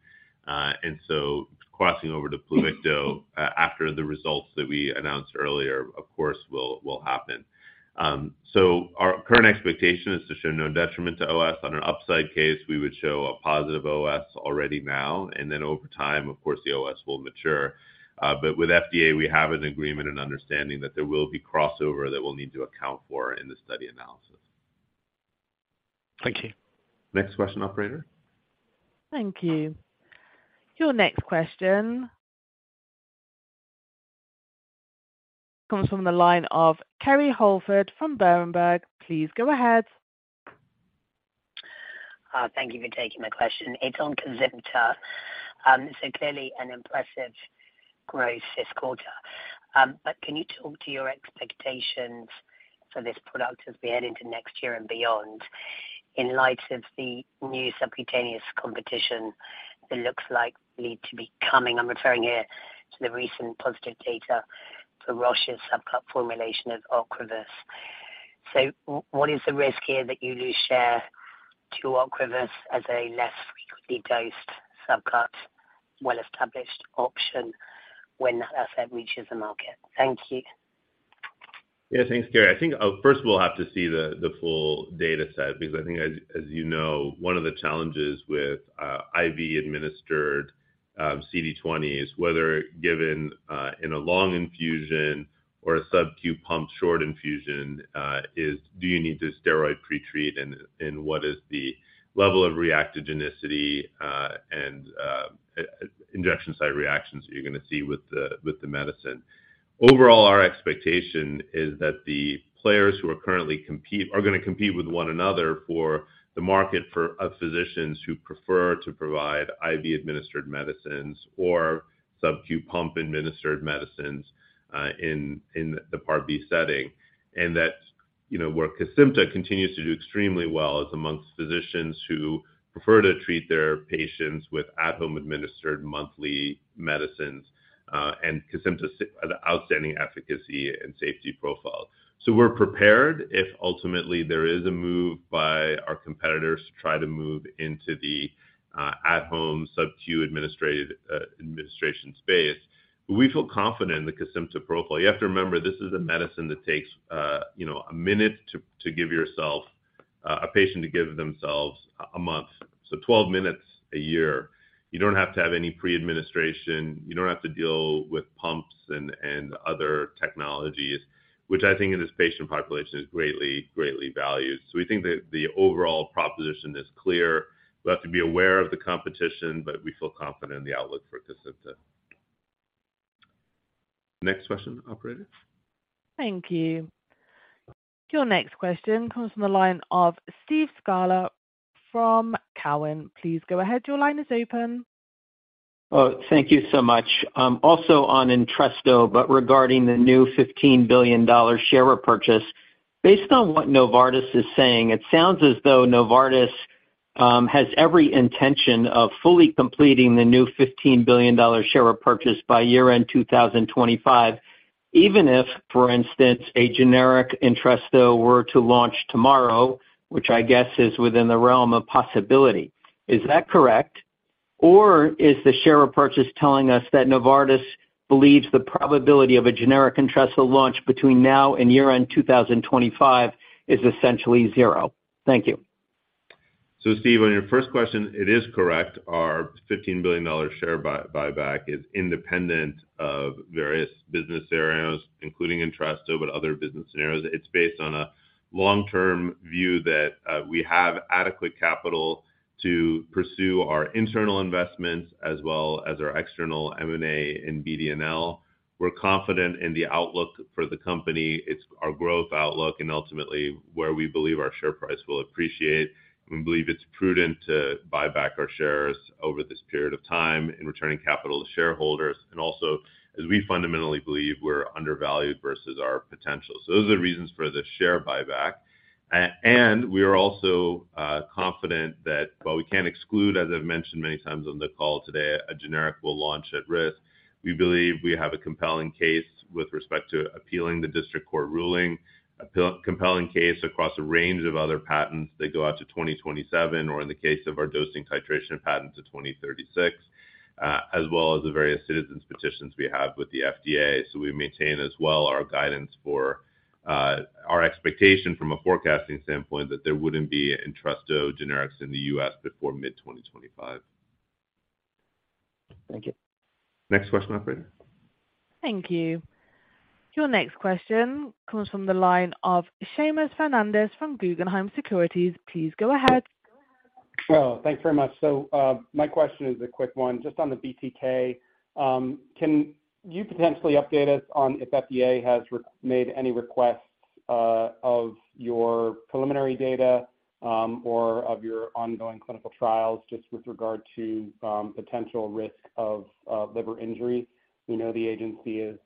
Crossing over to Pluvicto, after the results that we announced earlier, of course, will happen. Our current expectation is to show no detriment to OS. On an upside case, we would show a positive OS already now, and then over time, of course, the OS will mature. With FDA, we have an agreement and understanding that there will be crossover that we'll need to account for in the study analysis. Thank you. Next question, operator. Thank you. Your next question comes from the line of Kerry Holford from Berenberg. Please go ahead. Thank you for taking my question. It's on Kesimpta. Clearly an impressive growth this quarter. Can you talk to your expectations for this product as we head into next year and beyond, in light of the new subcutaneous competition, it looks likely to be coming. I'm referring here to the recent positive data for Roche's subcut formulation of Ocrevus. What is the risk here that you lose share to Ocrevus as a less frequently dosed subcut, well-established option when that asset reaches the market? Thank you. Thanks, Kerry. I think, first, we'll have to see the full data set, because I think, as you know, one of the challenges with IV-administered CD20 is whether given in a long infusion or a subq pump short infusion, is do you need to steroid pretreat, and what is the level of reactogenicity, and injection site reactions that you're gonna see with the medicine? Overall, our expectation is that the players who are currently are gonna compete with one another for the market for physicians who prefer to provide IV-administered medicines or subq pump-administered medicines, in the Part B setting. That, you know, where Kesimpta continues to do extremely well is amongst physicians who prefer to treat their patients with at-home administered monthly medicines, and Kesimpta has an outstanding efficacy and safety profile. We're prepared if ultimately there is a move by our competitors to try to move into the at-home subq administered administration space. We feel confident in the Kesimpta profile. You have to remember, this is a medicine that takes, you know, a minute to give yourself, a patient to give themselves a month, so 12 minutes a year. You don't have to have any pre-administration. You don't have to deal with pumps and other technologies, which I think in this patient population is greatly valued. We think that the overall proposition is clear. We'll have to be aware of the competition. We feel confident in the outlook for Kesimpta. Next question, operator. Thank you. Your next question comes from the line of Steve Scala from Cowen. Please go ahead. Your line is open. Thank you so much. Also on Entresto, regarding the new $15 billion share repurchase. Based on what Novartis is saying, it sounds as though Novartis has every intention of fully completing the new $15 billion share repurchase by year-end 2025, even if, for instance, a generic Entresto were to launch tomorrow, which I guess is within the realm of possibility. Is that correct? Or is the share repurchase telling us that Novartis believes the probability of a generic Entresto launch between now and year end 2025 is essentially zero? Thank you. Steve, on your first question, it is correct. Our $15 billion share buyback is independent of various business areas, including Entresto, but other business scenarios. It's based on a long-term view that we have adequate capital to pursue our internal investments as well as our external M&A and BD&L. We're confident in the outlook for the company. It's our growth outlook and ultimately where we believe our share price will appreciate. We believe it's prudent to buy back our shares over this period of time in returning capital to shareholders, and also as we fundamentally believe we're undervalued versus our potential. Those are the reasons for the share buyback. We are also confident that while we can't exclude, as I've mentioned many times on the call today, a generic will launch at risk, we believe we have a compelling case with respect to appealing the district court ruling, compelling case across a range of other patents that go out to 2027, or in the case of our dosing titration patent, to 2036, as well as the various citizens petitions we have with the FDA. We maintain as well our guidance for our expectation from a forecasting standpoint, that there wouldn't be Entresto generics in the US before mid-2025. Thank you. Next question, operator. Thank you. Your next question comes from the line of Seamus Fernandez from Guggenheim Securities. Please go ahead. Thanks very much. My question is a quick one, just on the BTK. Can you potentially update us on if FDA has made any requests? of your preliminary data, or of your ongoing clinical trials, just with regard to potential risk of liver injury. We know the agency is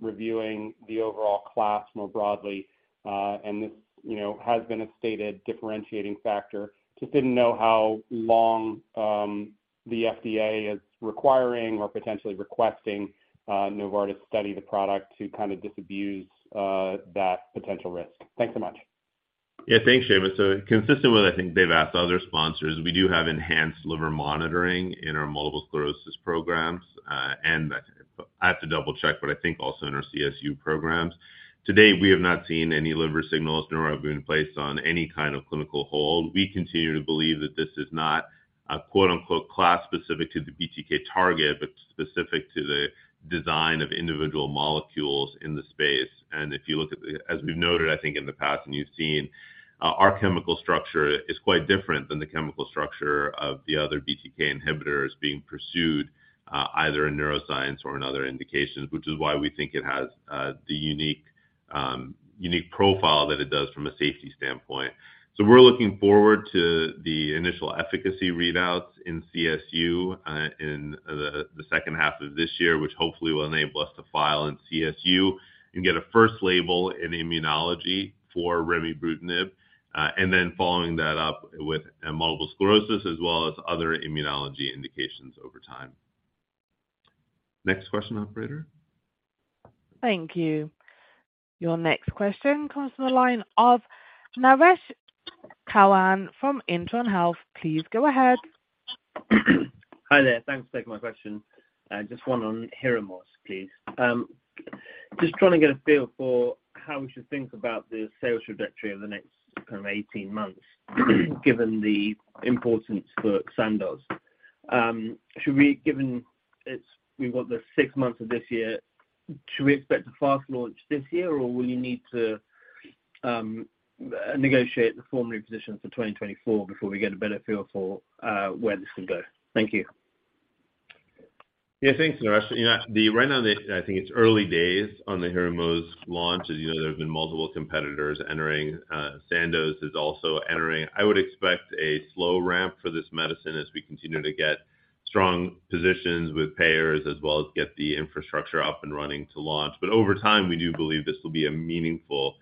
reviewing the overall class more broadly, this, you know, has been a stated differentiating factor. Just didn't know how long the FDA is requiring or potentially requesting Novartis study the product to kind of disabuse that potential risk. Thanks so much. Thanks, Seamus. Consistent with, I think, they've asked other sponsors, we do have enhanced liver monitoring in our multiple sclerosis programs. I have to double-check, but I think also in our CSU programs. To date, we have not seen any liver signals, nor have we been placed on any kind of clinical hold. We continue to believe that this is not a, quote-unquote, "class-specific to the BTK target," but specific to the design of individual molecules in the space. If you look at as we've noted, I think, in the past, and you've seen, our chemical structure is quite different than the chemical structure of the other BTK inhibitors being pursued, either in neuroscience or in other indications. Which is why we think it has the unique unique profile that it does from a safety standpoint. We're looking forward to the initial efficacy readouts in CSU, in the second half of this year, which hopefully will enable us to file in CSU and get a first label in immunology for remibrutinib, and then following that up with multiple sclerosis as well as other immunology indications over time. Next question, operator. Thank you. Your next question comes from the line of Naresh Chouhan from Intron Health. Please go ahead. Hi there. Thanks for taking my question. Just one on Hyrimoz, please. Just trying to get a feel for how we should think about the sales trajectory over the next kind of 18 months, given the importance for Sandoz. Should we, given we've got the six months of this year, should we expect a fast launch this year, or will you need to negotiate the formulary positions for 2024 before we get a better feel for where this can go? Thank you. Yeah, thanks, Naresh. You know, right now, I think it's early days on the Hyrimoz launch. As you know, there have been multiple competitors entering, Sandoz is also entering. I would expect a slow ramp for this medicine as we continue to get strong positions with payers, as well as get the infrastructure up and running to launch. Over time, we do believe this will be a meaningful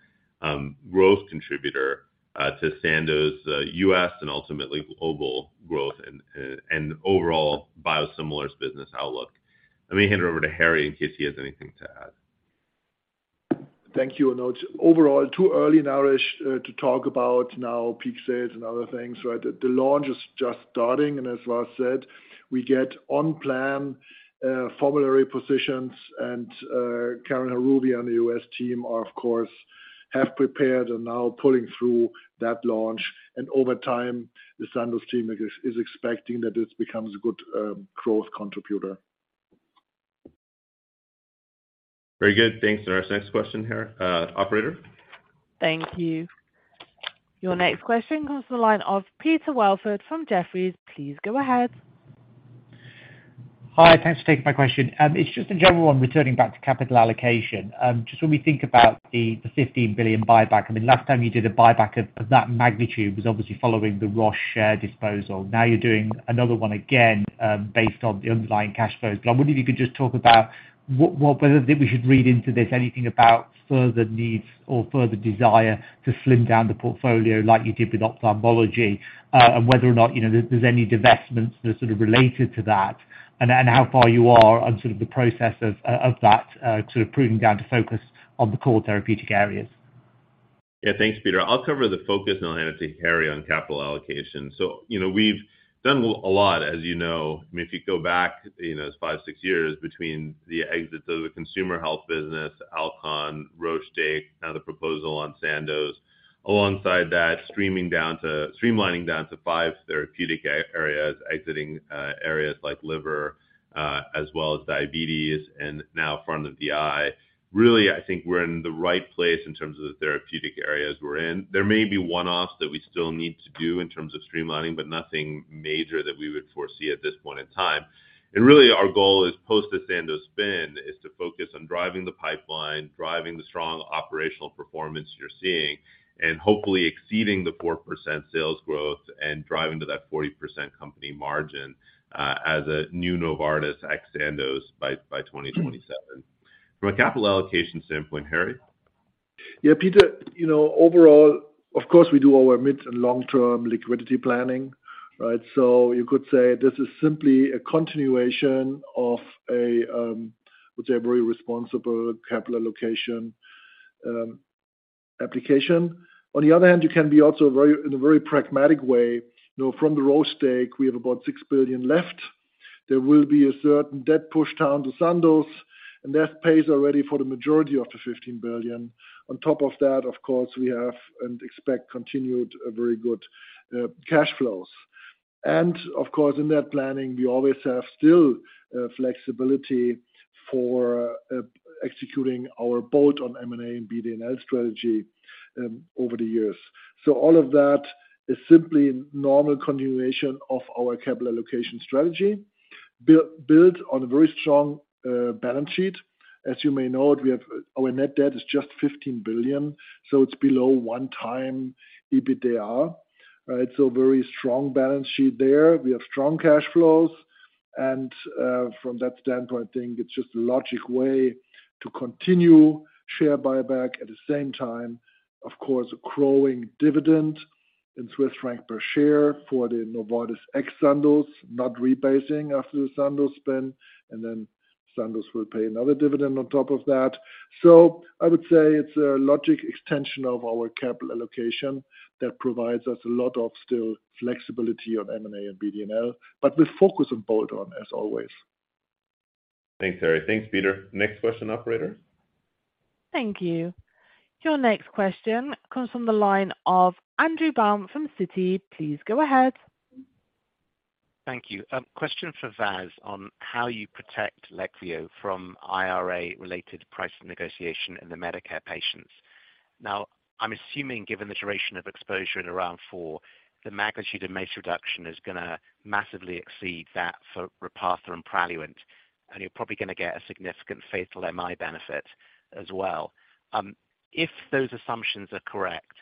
growth contributor to Sandoz US and ultimately global growth and overall biosimilars business outlook. Let me hand it over to Harry in case he has anything to add. Thank you, Vas. Overall, too early, Naresh, to talk about now peak sales and other things, right? The launch is just starting, as Lars said, we get on plan formulary positions, and Keren Haruvi on the U.S. team are, of course, have prepared and now pulling through that launch. Over time, the Sandoz team is expecting that this becomes a good growth contributor. Very good. Thanks, Naresh. Next question, Harry, operator. Thank you. Your next question comes from the line of Peter Welford from Jefferies. Please go ahead. Hi, thanks for taking my question. It's just a general one, returning back to capital allocation. Just when we think about the $15 billion buyback, I mean, last time you did a buyback of that magnitude was obviously following the Roche share disposal. Now, you're doing another one again, based on the underlying cash flows. I wonder if you could just talk about what whether we should read into this, anything about further needs or further desire to slim down the portfolio like you did with ophthalmology, and whether or not, you know, there's any divestments that are sort of related to that, and then how far you are on sort of the process of that sort of proving down to focus on the core therapeutic areas. Yeah, thanks, Peter. I'll cover the focus, and I'll hand it to Harry on capital allocation. You know, we've done a lot, as you know. I mean, if you go back, you know, five, six years between the exits of the consumer health business, Alcon, Roche stake, now the proposal on Sandoz. Alongside that, streamlining down to five therapeutic areas, exiting areas like liver, as well as diabetes and now front of the eye. Really, I think we're in the right place in terms of the therapeutic areas we're in. There may be one-offs that we still need to do in terms of streamlining, nothing major that we would foresee at this point in time. Really, our goal is post the Sandoz spin, is to focus on driving the pipeline, driving the strong operational performance you're seeing, and hopefully exceeding the 4% sales growth and driving to that 40% company margin, as a new Novartis at Sandoz by 2027. From a capital allocation standpoint, Harry? Yeah, Peter, you know, overall, of course, we do our mid- and long-term liquidity planning, right? So you could say this is simply a continuation of a let's say, a very responsible capital allocation application. On the other hand, you can be also very, in a very pragmatic way. You know, from the Roche stake, we have about $6 billion left. There will be a certain debt push down to Sandoz, and that pays already for the majority of the $15 billion. On top of that, of course, we have and expect continued very good cash flows. And of course, in that planning, we always have still flexibility for executing our boat on M&A and BD&L strategy over the years. So all of that is simply normal continuation of our capital allocation strategy, built on a very strong balance sheet. As you may know it, our net debt is just $15 billion, so it's below 1x EBITDA, right? Very strong balance sheet there. We have strong cash flows, and from that standpoint, I think it's just a logic way to continue share buyback. At the same time, of course, a growing dividend in Swiss francs per share for the Novartis ex Sandoz, not rebasing after the Sandoz spin, and then Sandoz will pay another dividend on top of that. I would say it's a logic extension of our capital allocation that provides us a lot of still flexibility on M&A and BD&L, but with focus on bolt-on, as always. Thanks, Harry. Thanks, Peter. Next question, operator. Thank you. Your next question comes from the line of Andrew Baum from Citi. Please go ahead. Thank you. Question for Vas on how you protect Leqvio from IRA-related price negotiation in the Medicare patients. I'm assuming, given the duration of exposure in around four, the magnitude of MACE reduction is going to massively exceed that for Repatha and Praluent, and you're probably going to get a significant fatal MI benefit as well. If those assumptions are correct,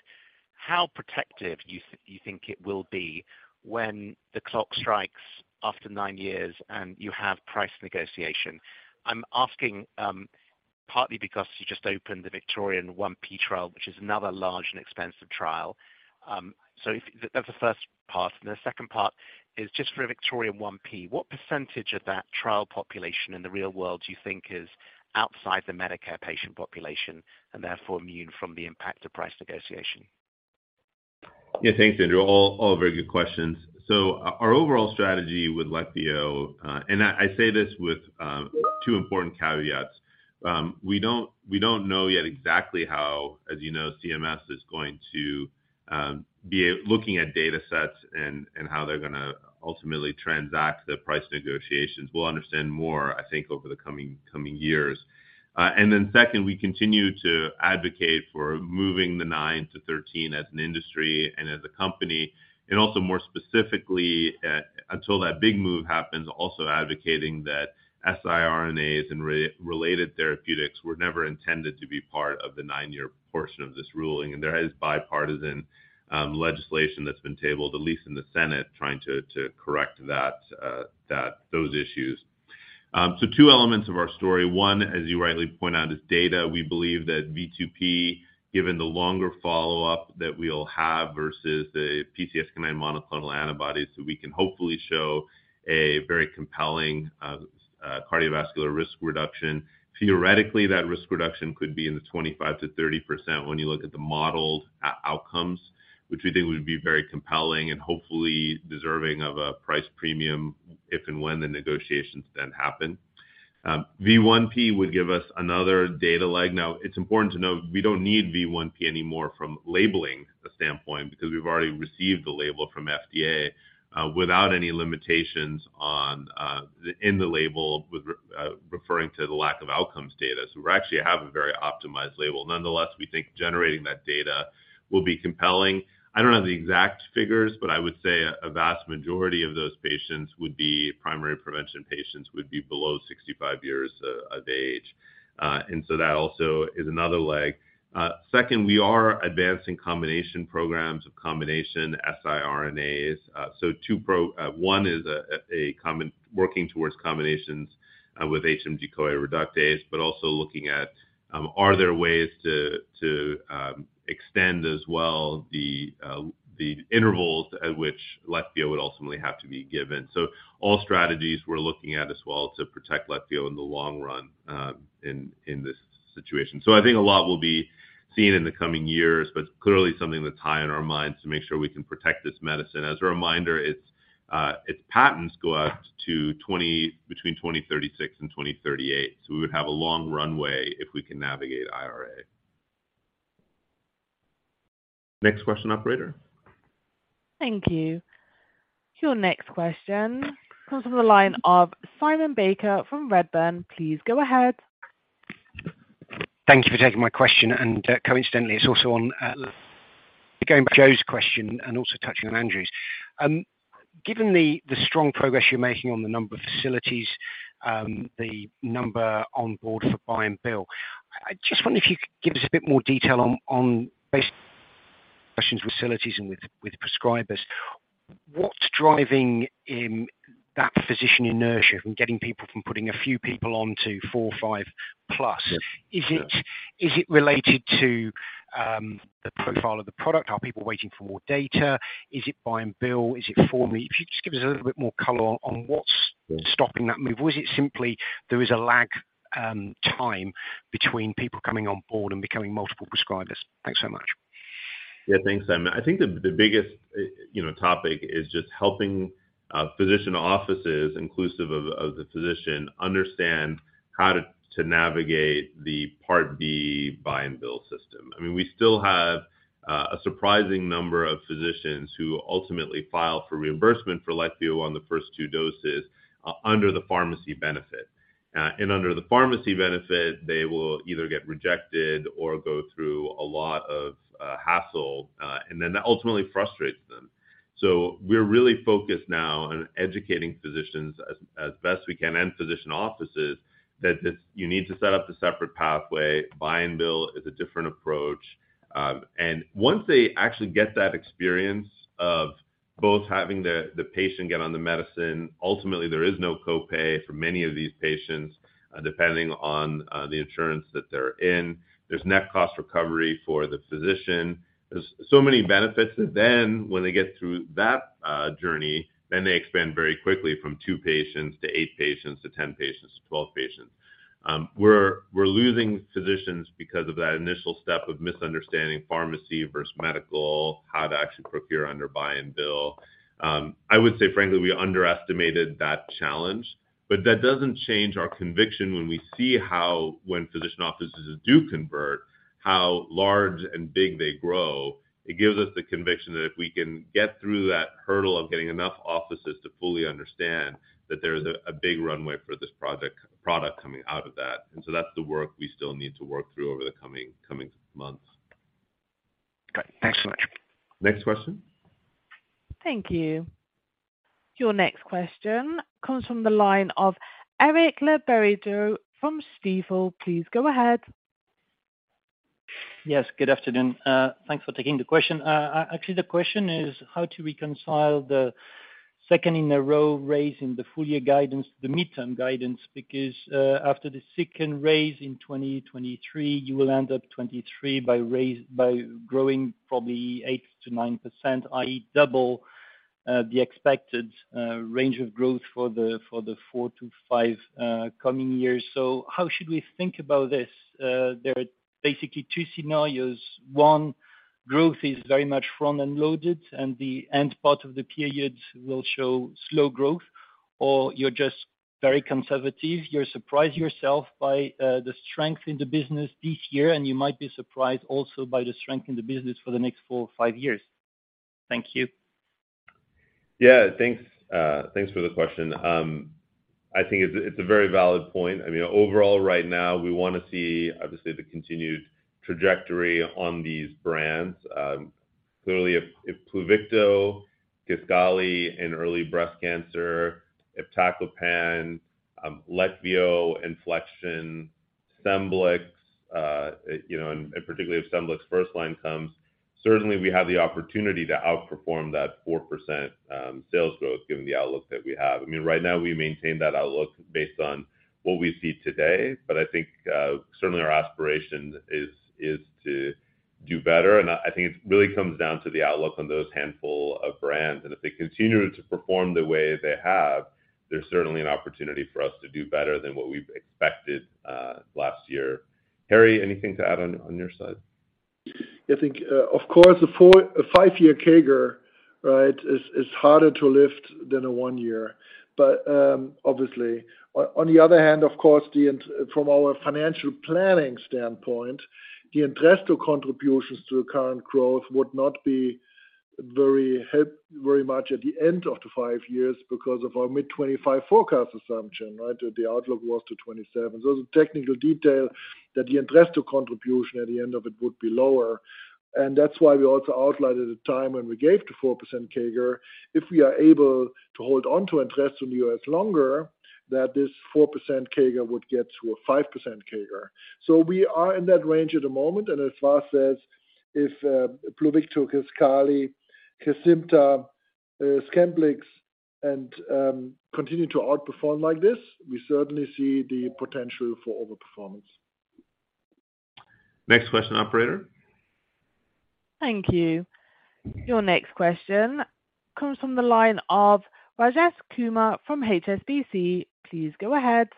how protective you think it will be when the clock strikes after nine years and you have price negotiation? I'm asking, partly because you just opened the VICTORION-1-PREVENT trial, which is another large and expensive trial. That's the first part, and the second part is just for VICTORION-1-PREVENT. What percentage of that trial population in the real world do you think is outside the Medicare patient population and therefore immune from the impact of price negotiation? Thanks, Andrew. All very good questions. Our overall strategy with Leqvio, and I say this with two important caveats. We don't know yet exactly how, as you know, CMS is going to be looking at data sets and how they're gonna ultimately transact the price negotiations. We'll understand more, I think, over the coming years. Second, we continue to advocate for moving the 9 to 13 as an industry and as a company, and also more specifically, until that big move happens, also advocating that siRNAs and related therapeutics were never intended to be part of the 9-year portion of this ruling. There is bipartisan legislation that's been tabled, at least in the Senate, trying to correct that, those issues. Two elements of our story. One, as you rightly point out, is data. We believe that V2P, given the longer follow-up that we'll have versus the PCSK9 monoclonal antibodies, so we can hopefully show a very compelling cardiovascular risk reduction. Theoretically, that risk reduction could be in the 25%-30% when you look at the modeled outcomes, which we think would be very compelling and hopefully deserving of a price premium if and when the negotiations then happen. V1P would give us another data leg. Now, it's important to note, we don't need V1P anymore from labeling standpoint, because we've already received the label from FDA without any limitations on the in the label with referring to the lack of outcomes data. We actually have a very optimized label. Nonetheless, we think generating that data will be compelling. I don't know the exact figures, but I would say a vast majority of those patients would be primary prevention patients, would be below 65 years of age. That also is another leg. Second, we are advancing combination programs of combination siRNAs. One is working towards combinations with HMG-CoA reductase, but also looking at, are there ways to extend as well the intervals at which Leqvio would ultimately have to be given? All strategies we're looking at as well to protect Leqvio in the long run in this situation. I think a lot will be seen in the coming years, but clearly something that's high on our minds to make sure we can protect this medicine. As a reminder, its patents go out between 2036 and 2038, so we would have a long runway if we can navigate IRA. Next question, operator. Thank you. Your next question comes from the line of Simon Baker from Redburn. Please go ahead. Thank you for taking my question, and coincidentally, it's also on Andrew's question and also touching on Andrew's. Given the strong progress you're making on the number of facilities, the number on board for buy and bill, I just wonder if you could give us a bit more detail on based facilities and with prescribers. What's driving in that physician inertia from getting people from putting a few people on to four or 5+? Yes. Is it related to the profile of the product? Are people waiting for more data? Is it buy and bill? Is it for me? If you just give us a little bit more color on what's... Yes -stopping that move, or is it simply there is a lag, time between people coming on board and becoming multiple prescribers? Thanks so much. Yeah, thanks, Simon. I think the biggest, you know, topic is just helping physician offices, inclusive of the physician, understand how to navigate the Part B buy and bill system. I mean, we still have a surprising number of physicians who ultimately file for reimbursement for Leqvio on the first two doses under the pharmacy benefit. Under the pharmacy benefit, they will either get rejected or go through a lot of hassle, and then that ultimately frustrates them. We're really focused now on educating physicians as best we can, and physician offices, that you need to set up the separate pathway. Buy-and-bill is a different approach. Once they actually get that experience of both having the patient get on the medicine, ultimately, there is no co-pay for many of these patients, depending on the insurance that they're in. There's net cost recovery for the physician. There's so many benefits that then when they get through that journey, then they expand very quickly from two patients to eight patients to 10 patients to 12 patients. We're losing physicians because of that initial step of misunderstanding pharmacy versus medical, how to actually procure under buy-and-bill. I would say, frankly, we underestimated that challenge. That doesn't change our conviction when we see how, when physician offices do convert, how large and big they grow. It gives us the conviction that if we can get through that hurdle of getting enough offices to fully understand, that there is a big runway for this product coming out of that. That's the work we still need to work through over the coming months. Okay, excellent. Next question. Thank you. Your next question comes from the line of Eric Le Berrigaud from Stifel. Please go ahead. Yes, good afternoon. Thanks for taking the question. Actually, the question is how to reconcile the second in a row raise in the full year guidance, the midterm guidance, because after the second raise in 2023, you will end up 2023 by growing probably 8%-9%, i.e., double the expected range of growth for the 4-5 coming years. How should we think about this? There are basically two scenarios. One, growth is very much front-end loaded, and the end part of the period will show slow growth, or you're just very conservative. You're surprised yourself by the strength in the business this year, and you might be surprised also by the strength in the business for the next four or five years. Thank you. Yeah, thanks for the question. I think it's a very valid point. I mean, overall, right now, we wanna see, obviously, the continued trajectory on these brands. Clearly, if Pluvicto, Kisqali in early breast cancer, if iptacopan, Leqvio, Inflection, Scemblix, you know, and particularly if Scemblix first line comes, certainly we have the opportunity to outperform that 4% sales growth, given the outlook that we have. I mean, right now, we maintain that outlook based on what we see today, but I think certainly our aspiration is to do better. I think it really comes down to the outlook on those handful of brands. If they continue to perform the way they have, there's certainly an opportunity for us to do better than what we've expected last year. Harry, anything to add on your side? I think, of course, a four, a 5-year CAGR, right, is harder to lift than a one year, but, obviously. On the other hand, of course, from our financial planning standpoint, the Entresto contributions to the current growth would not be very much at the end of the five years because of our mid-25 forecast assumption, right, that the outlook was to 27. Those are technical detail that the Entresto contribution at the end of it would be lower. That's why we also outlined at the time when we gave the 4% CAGR, if we are able to hold on to Entresto in the U.S. longer, that this 4% CAGR would get to a 5% CAGR. We are in that range at the moment, and as far as if, Pluvicto, Kisqali, Kesimpta, Scemblix, and continue to outperform like this, we certainly see the potential for overperformance. Next question, operator. Thank you. Your next question comes from the line of Rajesh Kumar from HSBC. Please go ahead.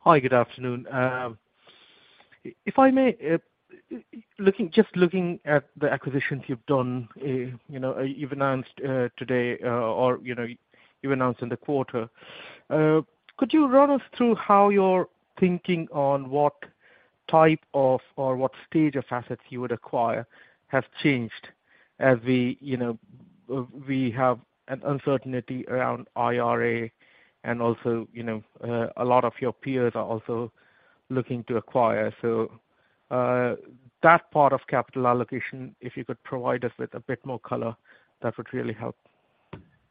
Hi, good afternoon. If I may, just looking at the acquisitions you've done, you know, you've announced today, or, you know, you announced in the quarter, could you run us through how your thinking on what type of or what stage of assets you would acquire have changed as we, you know, we have an uncertainty around IRA and also, you know, a lot of your peers are also looking to acquire? That part of capital allocation, if you could provide us with a bit more color, that would really help.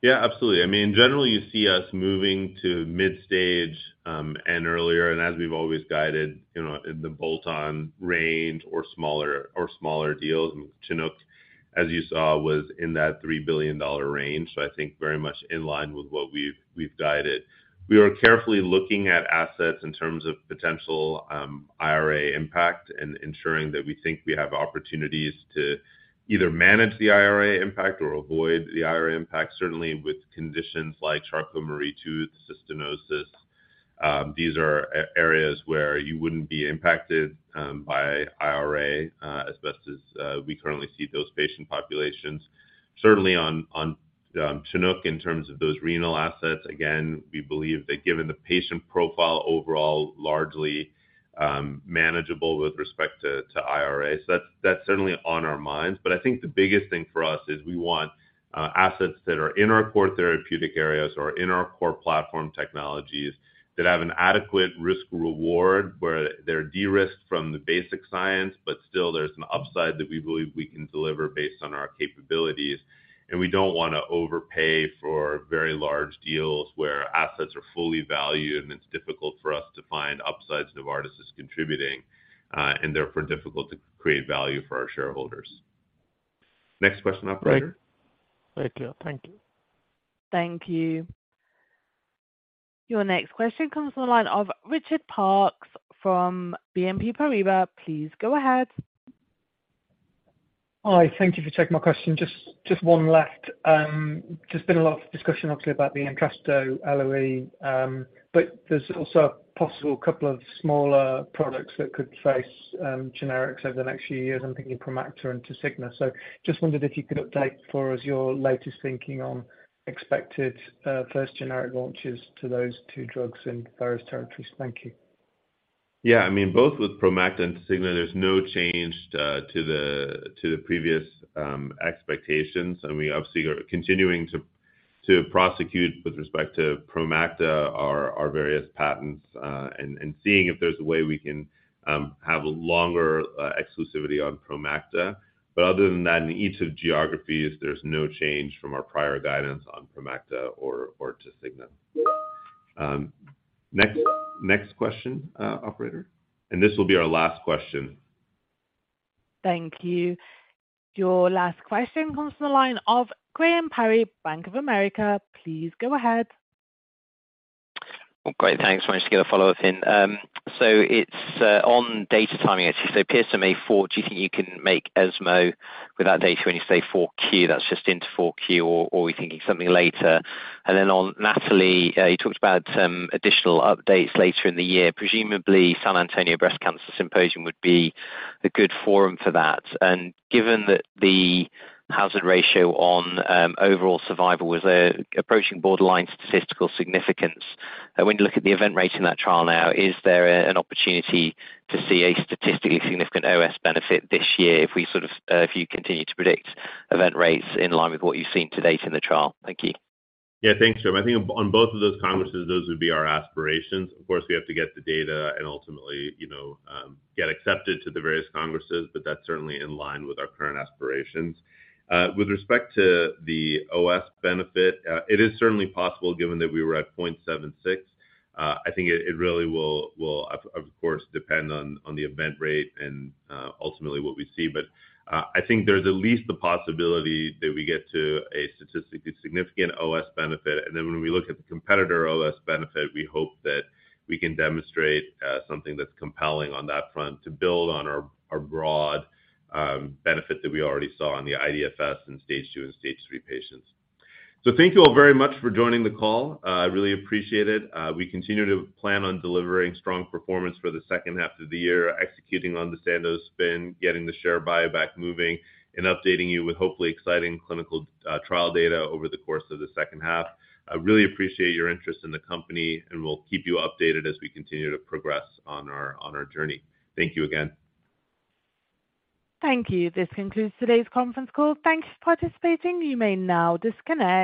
Yeah, absolutely. I mean, generally, you see us moving to mid-stage and earlier, and as we've always guided, you know, in the bolt-on range or smaller deals, Chinook, as you saw, was in that $3 billion range, I think very much in line with what we've guided. We are carefully looking at assets in terms of potential IRA impact and ensuring that we think we have opportunities to either manage the IRA impact or avoid the IRA impact, certainly with conditions like Charcot-Marie-Tooth, cystinosis. These are areas where you wouldn't be impacted by IRA as best as we currently see those patient populations. Certainly on Chinook, in terms of those renal assets, again, we believe that given the patient profile overall, largely manageable with respect to IRA. That's certainly on our minds. I think the biggest thing for us is we want assets that are in our core therapeutic areas or in our core platform technologies, that have an adequate risk reward, where they're de-risked from the basic science, but still there's an upside that we believe we can deliver based on our capabilities. We don't wanna overpay for very large deals where assets are fully valued, and it's difficult for us to find upsides Novartis is contributing, and therefore, difficult to create value for our shareholders. Next question, operator. Great. Thank you. Thank you. Thank you. Your next question comes from the line of Richard Parkes from BNP Paribas. Please go ahead. Hi, thank you for taking my question. Just one left. There's been a lot of discussion, obviously, about the Entresto LOE, but there's also a possible couple of smaller products that could face generics over the next few years. I'm thinking Promacta and Tecfidera. Just wondered if you could update for us your latest thinking on expected first generic launches to those two drugs in various territories. Thank you. Yeah, I mean, both with Promacta and Tecfidera, there's no change to the previous expectations. We obviously are continuing to prosecute with respect to Promacta, our various patents, and seeing if there's a way we can have a longer exclusivity on Promacta. Other than that, in each of geographies, there's no change from our prior guidance on Promacta or Tecfidera. Next question, operator? This will be our last question. Thank you. Your last question comes from the line of Graham Parry, Bank of America. Please go ahead. Well, great, thanks. I just want to get a follow-up in. It's on data timing, actually. PSMAfore, do you think you can make ESMO with that data when you say 4Q? That's just into 4Q, or are we thinking something later? On NATALEE, you talked about some additional updates later in the year. Presumably, San Antonio Breast Cancer Symposium would be a good forum for that. Given that the hazard ratio on overall survival was approaching borderline statistical significance, when you look at the event rate in that trial now, is there an opportunity to see a statistically significant OS benefit this year, if we sort of, if you continue to predict event rates in line with what you've seen to date in the trial? Thank you. Yeah, thanks, Graham. I think on both of those congresses, those would be our aspirations. Of course, we have to get the data and ultimately, you know, get accepted to the various congresses, but that's certainly in line with our current aspirations. With respect to the OS benefit, it is certainly possible, given that we were at 0.76. I think it really will, of course, depend on the event rate and, ultimately what we see. I think there's at least the possibility that we get to a statistically significant OS benefit. When we look at the competitor OS benefit, we hope that we can demonstrate, something that's compelling on that front, to build on our broad benefit that we already saw on the IDFS in Stage 2 and Stage 3 patients. Thank you all very much for joining the call. I really appreciate it. We continue to plan on delivering strong performance for the second half of the year, executing on the Sandoz spin, getting the share buyback moving, and updating you with hopefully exciting clinical trial data over the course of the second half. I really appreciate your interest in the company, and we'll keep you updated as we continue to progress on our, on our journey. Thank you again. Thank you. This concludes today's conference call. Thanks for participating. You may now disconnect.